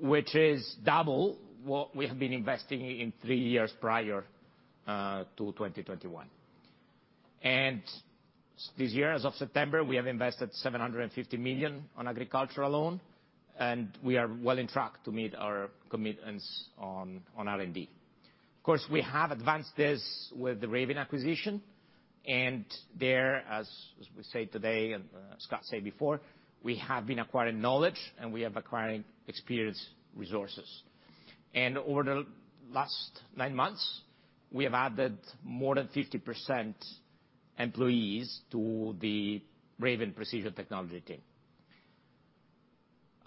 which is double what we have been investing in three years prior to 2021. This year, as of September, we have invested $750 million on agricultural loan, and we are well in track to meet our commitments on R&D. Of course, we have advanced this with the Raven acquisition. As we said today and Scott said before, we have been acquiring knowledge and we have acquiring experience resources. Over the last nine months, we have added more than 50% employees to the Raven Applied Technology team.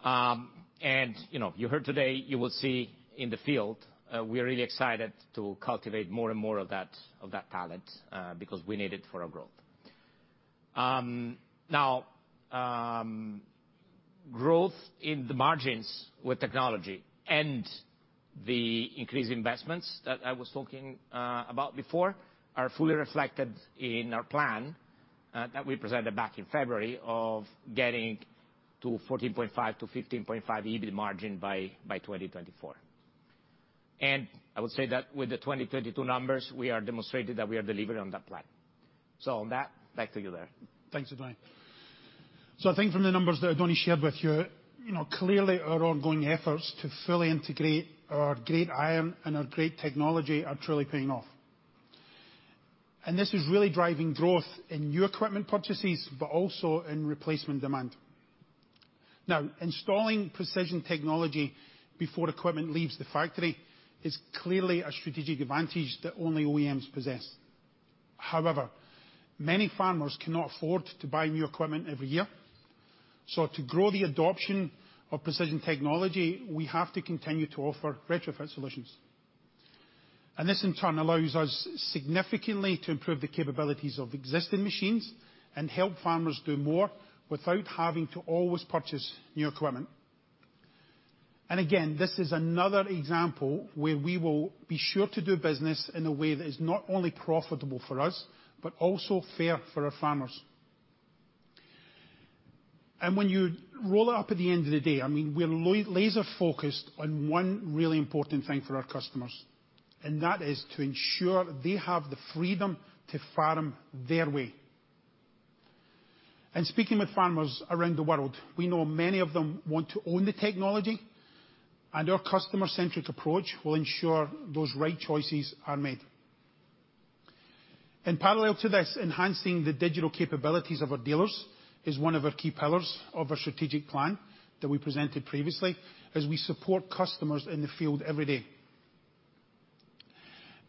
You know, you heard today, you will see in the field, we are really excited to cultivate more and more of that, of that talent, because we need it for our growth. Now, growth in the margins with technology and the increased investments that I was talking about before are fully reflected in our plan that we presented back in February of getting to 14.5%-15.5% EBIT margin by 2024. I would say that with the 2022 numbers, we are demonstrated that we are delivering on that plan. On that, back to you, Derek. Thanks, Oddone. I think from the numbers that Oddone shared with you know, clearly our ongoing efforts to fully integrate our great iron and our great technology are truly paying off. This is really driving growth in new equipment purchases, but also in replacement demand. Now, installing precision technology before equipment leaves the factory is clearly a strategic advantage that only OEMs possess. However, many farmers cannot afford to buy new equipment every year. To grow the adoption of precision technology, we have to continue to offer retrofit solutions. This, in turn, allows us significantly to improve the capabilities of existing machines and help farmers do more without having to always purchase new equipment. Again, this is another example where we will be sure to do business in a way that is not only profitable for us, but also fair for our farmers. When you roll it up at the end of the day, I mean, we're laser focused on one really important thing for our customers, and that is to ensure they have the freedom to farm their way. Speaking with farmers around the world, we know many of them want to own the technology, and our customer-centric approach will ensure those right choices are made. In parallel to this, enhancing the digital capabilities of our dealers is one of our key pillars of our strategic plan that we presented previously as we support customers in the field every day.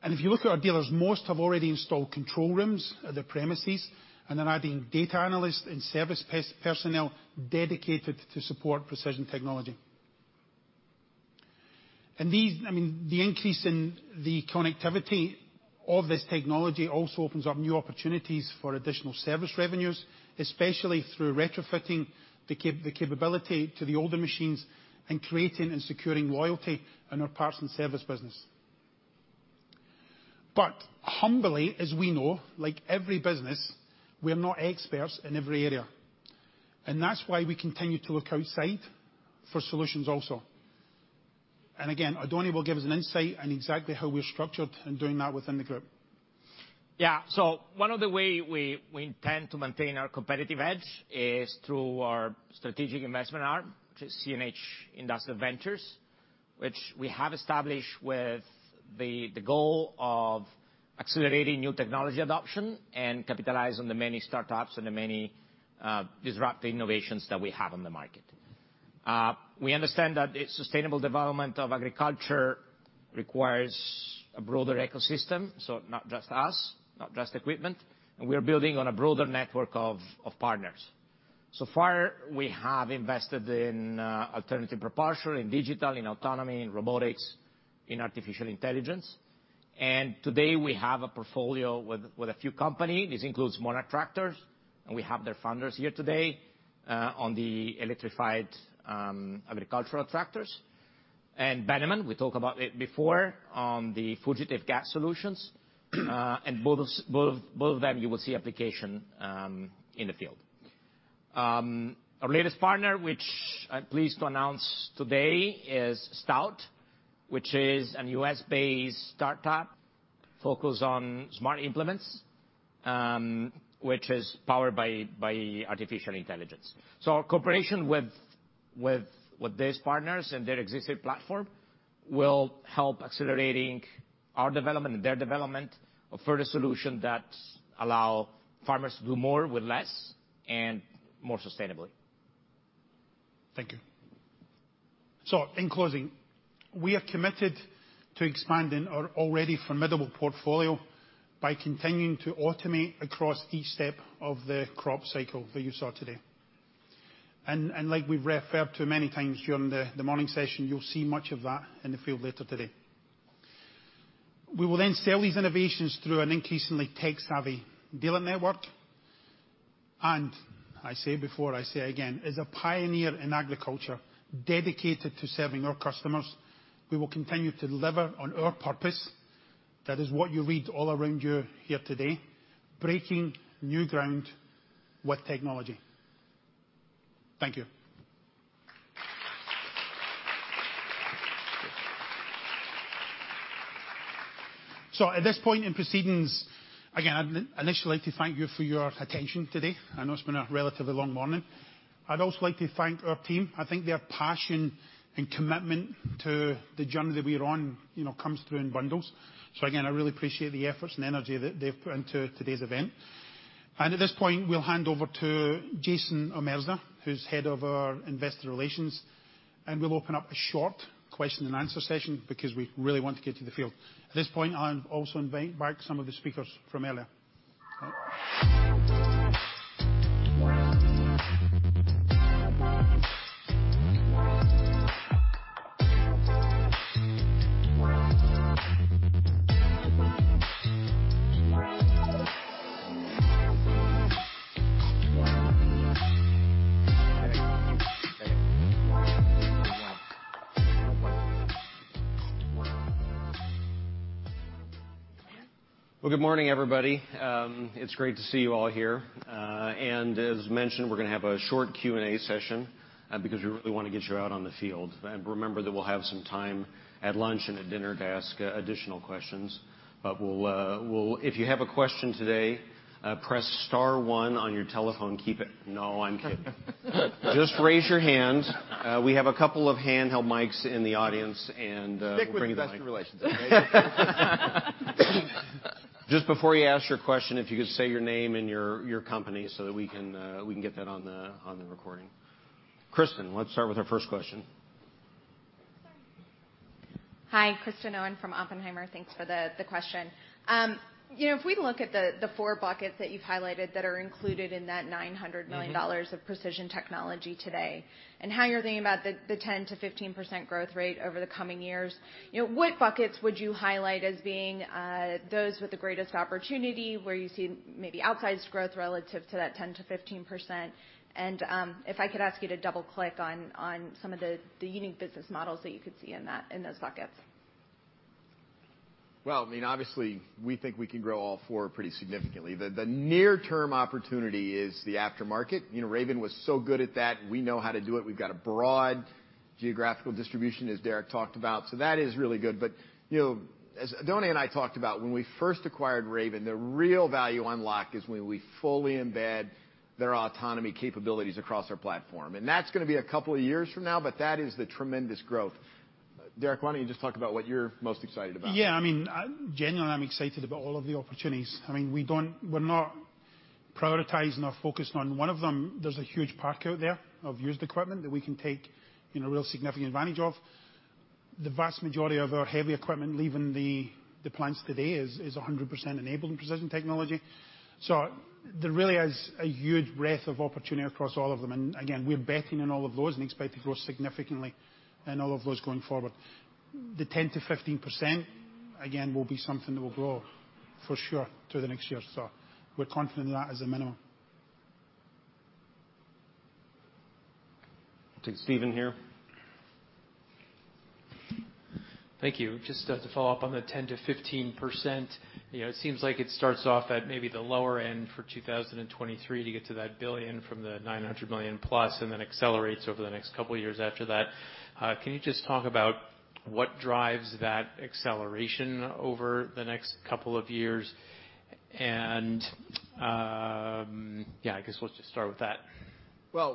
If you look at our dealers, most have already installed control rooms at their premises, and they're adding data analysts and service personnel dedicated to support precision technology. I mean, the increase in the connectivity of this technology also opens up new opportunities for additional service revenues, especially through retrofitting the capability to the older machines and creating and securing loyalty in our parts and service business. Humbly, as we know, like every business, we're not experts in every area. That's why we continue to look outside for solutions also. Again, Oddone will give us an insight on exactly how we're structured in doing that within the group. One of the way we intend to maintain our competitive edge is through our strategic investment arm, CNH Industrial Ventures, which we have established with the goal of accelerating new technology adoption and capitalize on the many startups and the many disruptive innovations that we have on the market. We understand that sustainable development of agriculture requires a broader ecosystem, so not just us, not just equipment, and we are building on a broader network of partners. So far, we have invested in alternative propulsion, in digital, in autonomy, in robotics, in artificial intelligence. Today, we have a portfolio with a few company. This includes Monarch Tractor, and we have their founders here today, on the electrified agricultural tractors. Bennamann, we talked about it before on the fugitive gas solutions. Both of them you will see application in the field. Our latest partner, which I'm pleased to announce today, is Stout, which is a U.S.-based startup focused on smart implements, which is powered by artificial intelligence. Our cooperation with these partners and their existing platform will help accelerating our development and their development of further solution that allow farmers to do more with less and more sustainably. Thank you. In closing, we are committed to expanding our already formidable portfolio by continuing to automate across each step of the crop cycle that you saw today. Like we've referred to many times during the morning session, you'll see much of that in the field later today. We will then sell these innovations through an increasingly tech-savvy dealer network. I say it before, I say it again, as a pioneer in agriculture dedicated to serving our customers, we will continue to deliver on our purpose. That is what you read all around you here today, breaking new ground with technology. Thank you. At this point in proceedings, again, I'd initially like to thank you for your attention today. I know it's been a relatively long morning. I'd also like to thank our team. I think their passion and commitment to the journey that we're on, you know, comes through in bundles. Again, I really appreciate the efforts and energy that they've put into today's event. At this point, we'll hand over to Jason Omerza, who's head of our investor relations, and we'll open up a short question and answer session because we really want to get to the field. At this point, I'll also invite back some of the speakers from earlier. Well, good morning, everybody. It's great to see you all here. As mentioned, we're gonna have a short Q&A session, because we really wanna get you out on the field. Remember that we'll have some time at lunch and at dinner to ask additional questions. If you have a question today, press star one on your telephone. No, I'm kidding. Just raise your hand. We have a couple of handheld mics in the audience, we'll bring the mic. Stick with investor relations, okay? Just before you ask your question, if you could say your name and your company so that we can get that on the recording. Kristen, let's start with our first question. Hi, Kristen Owen from Oppenheimer. Thanks for the question. You know, if we look at the four buckets that you've highlighted that are included in that $900 million of Precision Technology today and how you're thinking about the 10%-15% growth rate over the coming years, you know, what buckets would you highlight as being those with the greatest opportunity where you see maybe outsized growth relative to that 10%-15%? If I could ask you to double-click on some of the unique business models that you could see in that, in those buckets. Well, I mean, obviously, we think we can grow all four pretty significantly. The near term opportunity is the aftermarket. You know, Raven was so good at that. We know how to do it. We've got a broad geographical distribution as Derek talked about. That is really good. You know, as Don and I talked about when we first acquired Raven, the real value unlock is when we fully embed their autonomy capabilities across our platform. That's gonna be a couple of years from now. That is the tremendous growth. Derek, why don't you just talk about what you're most excited about? Yeah. I mean, genuinely, I'm excited about all of the opportunities. I mean, we're not prioritizing or focusing on one of them. There's a huge park out there of used equipment that we can take, you know, real significant advantage of. The vast majority of our heavy equipment leaving the plants today is 100% enabled in precision technology. There really is a huge breadth of opportunity across all of them. Again, we're betting on all of those and expect to grow significantly in all of those going forward. The 10%-15%, again, will be something that will grow for sure through the next year or so. We're confident in that as a minimum. Take Stephen here. Thank you. Just to follow up on the 10%-15%. You know, it seems like it starts off at maybe the lower end for 2023 to get to that $1 billion from the $900 million+ and then accelerates over the next couple of years after that. Can you just talk about what drives that acceleration over the next couple of years? Yeah, I guess we'll just start with that.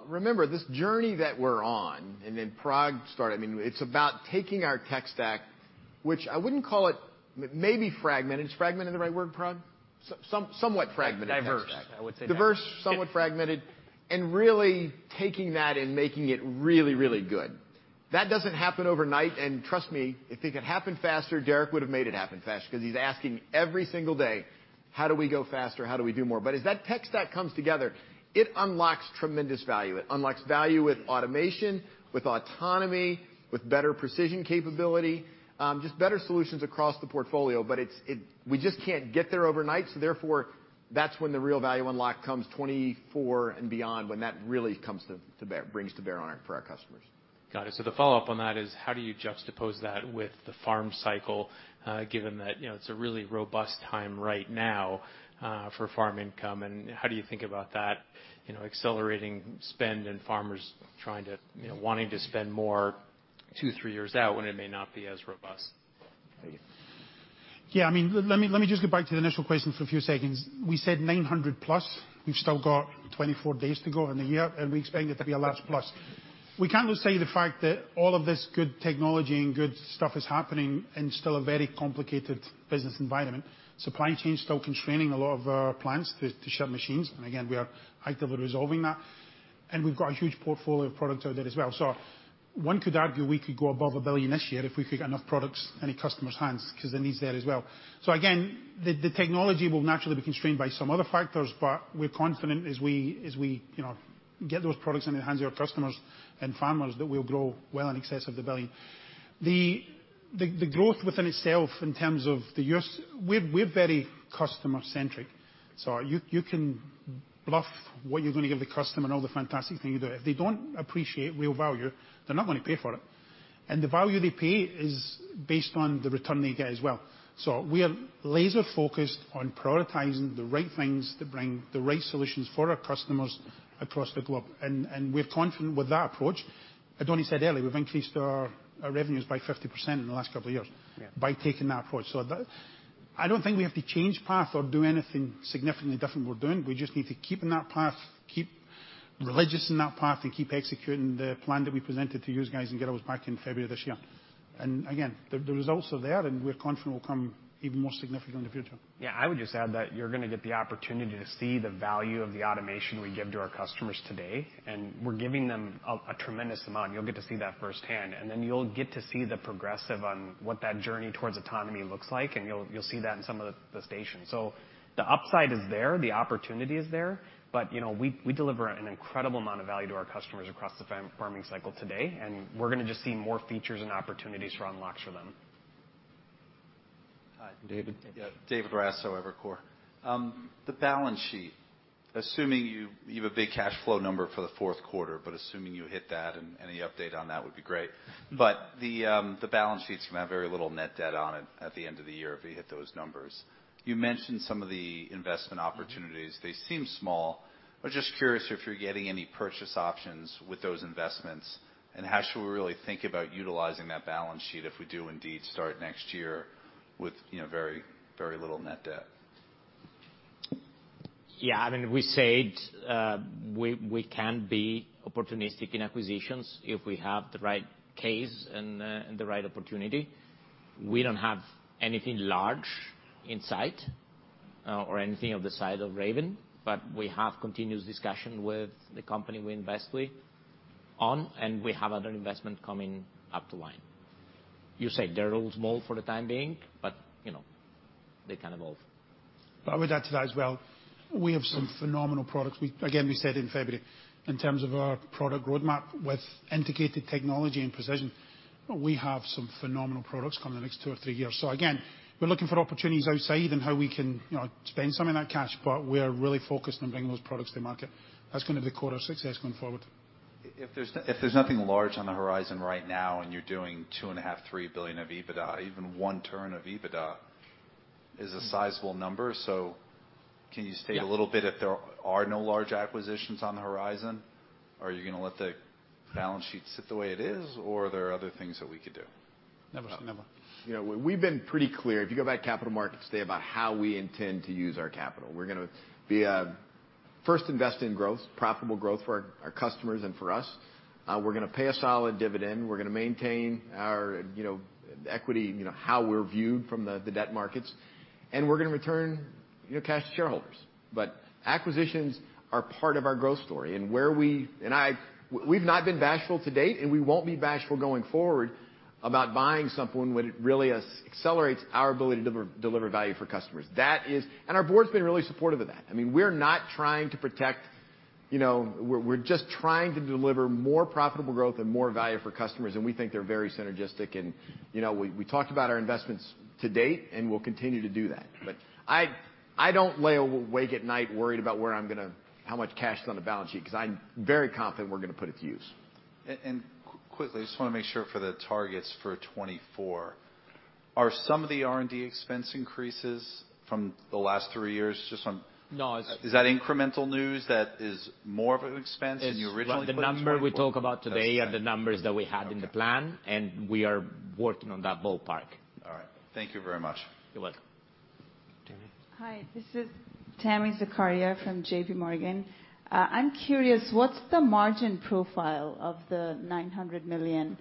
Remember, this journey that we're on, and then Parag started, I mean, it's about taking our tech stack, which I wouldn't call it, maybe fragmented. Is fragmented the right word, Parag? Somewhat fragmented. Diverse, I would say diverse. Diverse, somewhat fragmented, really taking that and making it really, really good. That doesn't happen overnight, trust me, if it could happen faster, Derek would have made it happen faster 'cause he's asking every single day, "How do we go faster? How do we do more?" As that tech stack comes together, it unlocks tremendous value. It unlocks value with automation, with autonomy, with better precision capability, just better solutions across the portfolio. We just can't get there overnight, therefore, that's when the real value unlock comes 2024 and beyond, when that really comes to bear, brings to bear on, for our customers. Got it. The follow-up on that is, how do you juxtapose that with the farm cycle, given that, you know, it's a really robust time right now, for farm income, and how do you think about that, you know, accelerating spend and farmers trying to, you know, wanting to spend more two, three years out when it may not be as robust? Yeah, I mean, let me just get back to the initial question for a few seconds. We said $900+. We've still got 24 days to go in a year. We expect it to be a large plus. We can't just say the fact that all of this good technology and good stuff is happening in still a very complicated business environment. Supply chain is still constraining a lot of our plants to ship machines. Again, we are actively resolving that. We've got a huge portfolio of products out there as well. One could argue we could go above $1 billion this year if we could get enough products in a customer's hands, 'cause the need's there as well. Again, the technology will naturally be constrained by some other factors, but we're confident as we, you know, get those products into the hands of our customers and farmers that we'll grow well in excess of $1 billion. The growth within itself in terms of the years, we're very customer centric. You can bluff what you're gonna give the customer and all the fantastic things there. If they don't appreciate real value, they're not gonna pay for it. The value they pay is based on the return they get as well. We are laser focused on prioritizing the right things that bring the right solutions for our customers across the globe. We're confident with that approach. As Oddone said earlier, we've increased our revenues by 50% in the last couple of years. Yeah. -by taking that approach. That. I don't think we have to change path or do anything significantly different than we're doing. We just need to keep on that path, keep religious in that path, and keep executing the plan that we presented to you guys and gals back in February this year. And again, the results are there, and we're confident will come even more significant in the future. I would just add that you're gonna get the opportunity to see the value of the automation we give to our customers today. We're giving them a tremendous amount. You'll get to see that firsthand. Then you'll get to see the progressive on what that journey towards autonomy looks like. You'll see that in some of the stations. The upside is there, the opportunity is there, but, you know, we deliver an incredible amount of value to our customers across the farming cycle today. We're gonna just see more features and opportunities to unlock for them. Hi. David Raso, Evercore. The balance sheet. Assuming you have a big cash flow number for the fourth quarter, but assuming you hit that and any update on that would be great. The balance sheet's gonna have very little net debt on it at the end of the year if you hit those numbers. You mentioned some of the investment opportunities. They seem small. I'm just curious if you're getting any purchase options with those investments, and how should we really think about utilizing that balance sheet if we do indeed start next year with, you know, very, very little net debt? Yeah. I mean, we said, we can be opportunistic in acquisitions if we have the right case and the right opportunity. We don't have anything large in sight, or anything of the size of Raven, but we have continuous discussion with the company we invest on, and we have other investment coming up the line. You say they're all small for the time being, but, you know, they can evolve. I would add to that as well, we have some phenomenal products. Again, we said in February, in terms of our product roadmap with integrated technology and precision, we have some phenomenal products coming in the next two or three years. Again, we're looking for opportunities outside and how we can, you know, spend some of that cash, but we're really focused on bringing those products to market. That's gonna be the core of success going forward. If there's nothing large on the horizon right now and you're doing $2.5 billion-$3 billion of EBITDA, even one turn of EBITDA is a sizable number. Can you. Yeah. a little bit if there are no large acquisitions on the horizon? Are you gonna let the balance sheet sit the way it is, or are there other things that we could do? Never say never. You know, we've been pretty clear, if you go back to Capital Markets Day, about how we intend to use our capital. We're gonna be first invest in growth, profitable growth for our customers and for us. We're gonna pay a solid dividend. We're gonna maintain our, you know, equity, you know, how we're viewed from the debt markets. We're gonna return, you know, cash to shareholders. Acquisitions are part of our growth story. We've not been bashful to date, and we won't be bashful going forward about buying something when it really accelerates our ability to deliver value for customers. That is. Our board's been really supportive of that. I mean, we're not trying to protect, you know. We're just trying to deliver more profitable growth and more value for customers. We think they're very synergistic and, you know. We talked about our investments to date. We'll continue to do that. I don't lay awake at night worried about where I'm how much cash is on the balance sheet, 'cause I'm very confident we're gonna put it to use. Quickly, I just want to make sure for the targets for 2024, are some of the R&D expense increases from the last three years? No, it's- Is that incremental news that is more of an expense than you originally anticipated? It's the number we talk about today. That's right. The numbers that we had in the plan. Okay. We are working on that ballpark. All right. Thank you very much. You're welcome. Tami. Hi. This is Tami Zakaria from JPMorgan. I'm curious, what's the margin profile of the $900 million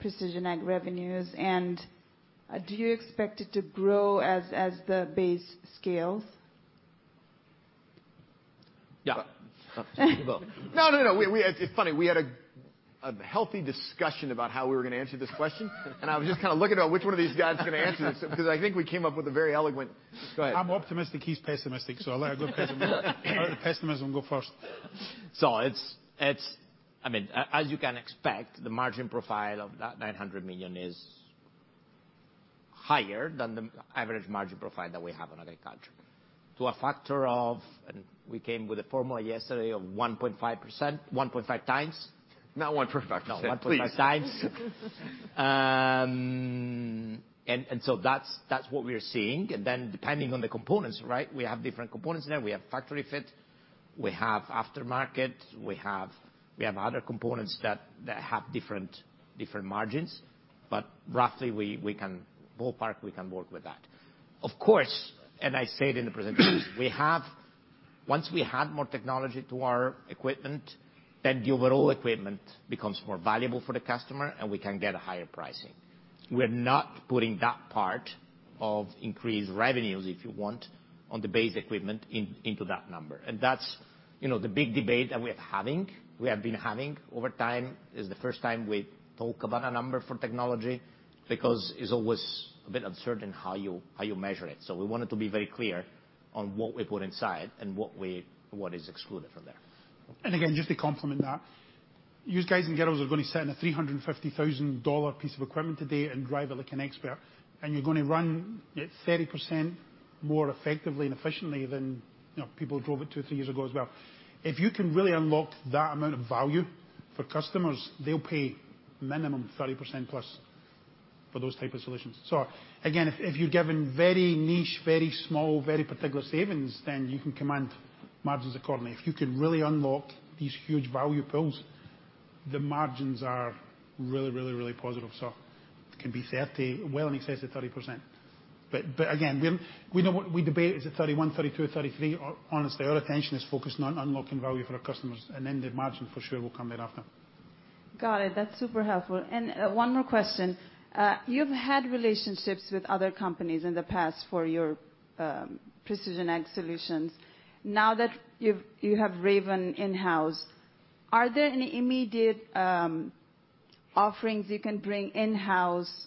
Precision Ag revenues? Do you expect it to grow as the base scales? Yeah. Up to you both. No, no. We. It's funny. We had a healthy discussion about how we were gonna answer this question. I was just kinda looking at which one of these guys is gonna answer this, because I think we came up with a very eloquent... Go ahead. I'm optimistic, he's pessimistic. I'll let the pessimism go first. It's... I mean, as you can expect, the margin profile of that $900 million is higher than the average margin profile that we have on agriculture, to a factor of, and we came with a formula yesterday, of 1.5%, 1.5x. Not 1.5%. No, 1.5x. So that's what we are seeing. Then depending on the components, right? We have different components in there. We have factory fit, we have aftermarket, we have other components that have different margins. Roughly we can ballpark, we can work with that. Of course, and I said in the presentation, once we add more technology to our equipment, then the overall equipment becomes more valuable for the customer, and we can get a higher pricing. We're not putting that part of increased revenues, if you want, on the base equipment in, into that number. That's, you know, the big debate that we have been having over time. It's the first time we've talked about a number for technology because it's always a bit uncertain how you measure it. We wanted to be very clear on what we put inside and what is excluded from there. Again, just to complement that, yous guys and girls are gonna sit in a $350,000 piece of equipment today and drive it like an expert, and you're gonna run it 30% more effectively and efficiently than, you know, people who drove it two, three years ago as well. If you can really unlock that amount of value for customers, they'll pay minimum 30%+ for those type of solutions. Again, if you're given very niche, very small, very particular savings, then you can command margins accordingly. If you can really unlock these huge value pools, the margins are really, really, really positive. It can be well in excess of 30%. Again, we know what we debate is it 31%, 32% or 33%. Or honestly, our attention is focused on unlocking value for our customers and then the margin for sure will come thereafter. Got it. That's super helpful. One more question. You've had relationships with other companies in the past for your precision ag solutions. Now that you have Raven in-house, are there any immediate offerings you can bring in-house,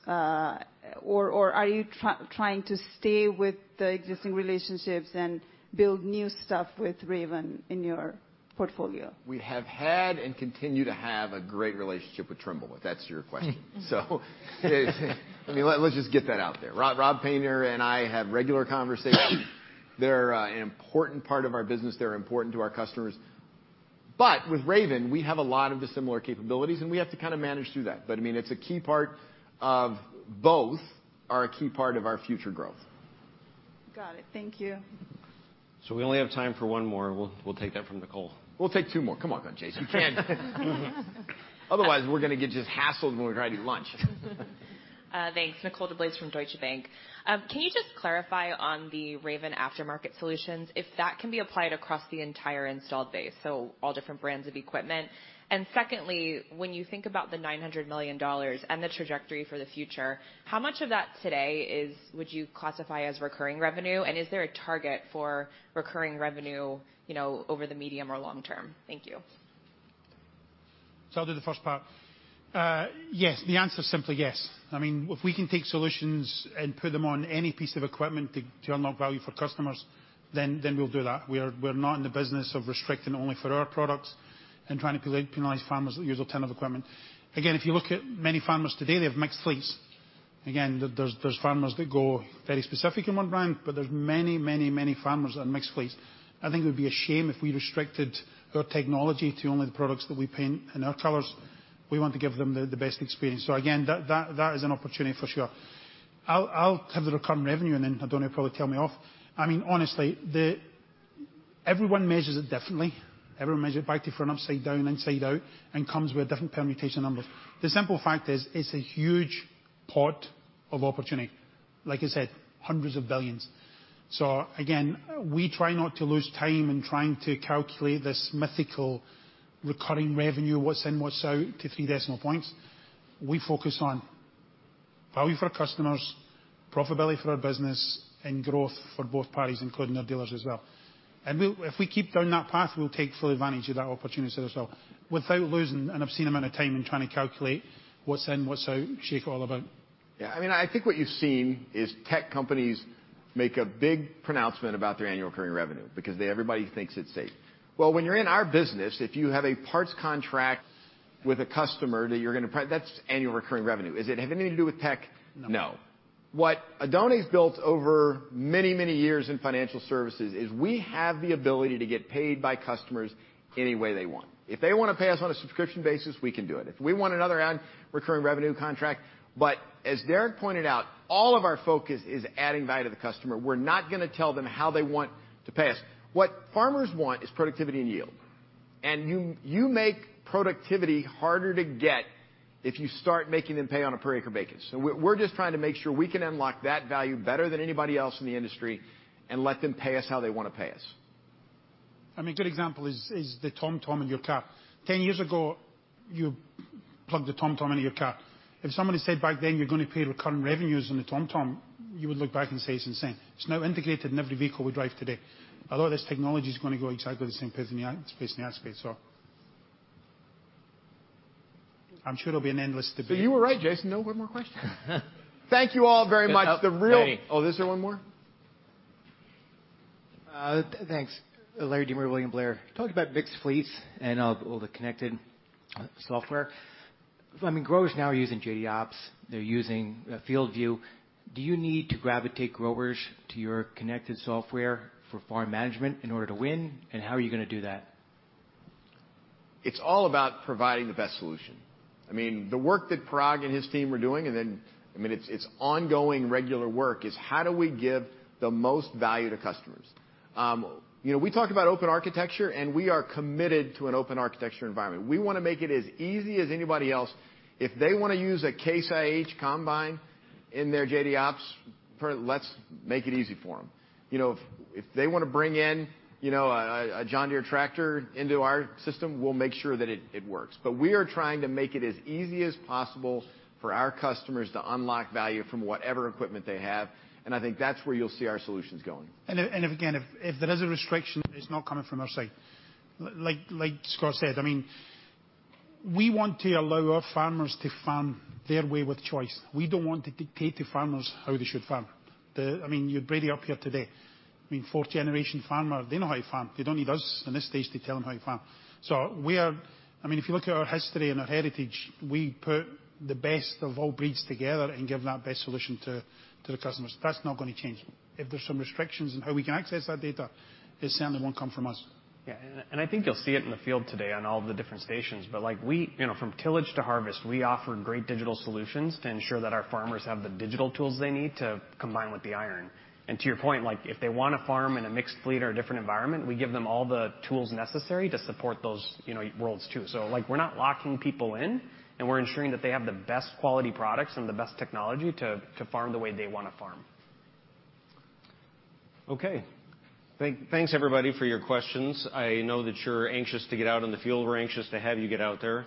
or are you trying to stay with the existing relationships and build new stuff with Raven in your portfolio? We have had and continue to have a great relationship with Trimble, if that's your question. I mean, let's just get that out there. Rob Painter and I have regular conversations. They're an important part of our business. They're important to our customers. With Raven, we have a lot of dissimilar capabilities, and we have to kind of manage through that. I mean, both are a key part of our future growth. Got it. Thank you. We only have time for one more. We'll take that from Nicole. We'll take two more. Come on, Jason. You can. Otherwise we're gonna get just hassled when we try to eat lunch. Thanks. Nicole DeBlase from Deutsche Bank. Can you just clarify on the Raven aftermarket solutions if that can be applied across the entire installed base, so all different brands of equipment? Secondly, when you think about the $900 million and the trajectory for the future, how much of that today would you classify as recurring revenue? Is there a target for recurring revenue, you know, over the medium or long term? Thank you. I'll do the first part. Yes. The answer is simply yes. I mean, if we can take solutions and put them on any piece of equipment to unlock value for customers, then we'll do that. We're not in the business of restricting only for our products and trying to penalize farmers that use alternative equipment. If you look at many farmers today, they have mixed fleets. There's farmers that go very specific in one brand, but there's many farmers that have mixed fleets. I think it would be a shame if we restricted our technology to only the products that we paint in our colors. We want to give them the best experience. Again, that is an opportunity for sure. I'll have the recurring revenue and then Oddone will probably tell me off. I mean, honestly, Everyone measures it differently. Everyone measures it back to front, upside down, inside out and comes with different permutation numbers. The simple fact is it's a huge pot of opportunity. Like I said, hundreds of billions. Again, we try not to lose time in trying to calculate this mythical recurring revenue, what's in, what's out, to three decimal points. We focus on value for our customers, profitability for our business and growth for both parties, including our dealers as well. If we keep down that path, we'll take full advantage of that opportunity as well, without losing an obscene amount of time in trying to calculate what's in, what's out, shake it all about. Yeah. I mean, I think what you've seen is tech companies make a big pronouncement about their annual recurring revenue because everybody thinks it's safe. Well, when you're in our business, if you have a parts contract with a customer that's annual recurring revenue. Is it have anything to do with tech? No. No. What Oddone's built over many, many years in financial services is we have the ability to get paid by customers any way they want. If they wanna pay us on a subscription basis, we can do it. If we want another ad recurring revenue contract. As Derek pointed out, all of our focus is adding value to the customer. We're not gonna tell them how they want to pay us. What farmers want is productivity and yield. You, you make productivity harder to get if you start making them pay on a per acre basis. We're, we're just trying to make sure we can unlock that value better than anybody else in the industry and let them pay us how they wanna pay us. I mean, a good example is the TomTom in your car. 10 years ago, you plugged a TomTom into your car. If somebody said back then you're gonna pay recurring revenues on a TomTom, you would look back and say it's insane. It's now integrated in every vehicle we drive today, a lot of this technology is gonna go exactly the same pace in ag space, so. I'm sure there'll be an endless debate. You were right, Jason. No more questions. Thank you all very much. Good luck. Hey. Oh, is there one more? Thanks. Larry De Maria, William Blair. Talked about mixed fleets and all the connected software. I mean, growers now are using JD Ops. They're using FieldView. Do you need to gravitate growers to your connected software for farm management in order to win? How are you gonna do that? It's all about providing the best solution. I mean, the work that Parag and his team are doing, I mean, it's ongoing, regular work, is how do we give the most value to customers? You know, we talk about open architecture, we are committed to an open architecture environment. We wanna make it as easy as anybody else. If they wanna use a Case IH combine in their JD Ops, let's make it easy for them. You know, if they wanna bring in, you know, a John Deere tractor into our system, we'll make sure that it works. We are trying to make it as easy as possible for our customers to unlock value from whatever equipment they have. I think that's where you'll see our solutions going. Again, if there is a restriction, it's not coming from our side. Like Scott said, I mean, we want to allow our farmers to farm their way with choice. We don't want to dictate to farmers how they should farm. I mean, you had Brady up here today, I mean, fourth generation farmer, they know how to farm. They don't need us in this stage to tell them how to farm. We are, I mean, if you look at our history and our heritage, we put the best of all breeds together and give that best solution to the customers. That's not gonna change. If there's some restrictions on how we can access that data, it certainly won't come from us. Yeah. I think you'll see it in the field today on all of the different stations. Like we, you know, from tillage to harvest, we offer great digital solutions to ensure that our farmers have the digital tools they need to combine with the iron. To your point, like, if they wanna farm in a mixed fleet or a different environment, we give them all the tools necessary to support those, you know, roles too. Like, we're not locking people in, and we're ensuring that they have the best quality products and the best technology to farm the way they wanna farm. Okay. Thanks everybody for your questions. I know that you're anxious to get out in the field. We're anxious to have you get out there.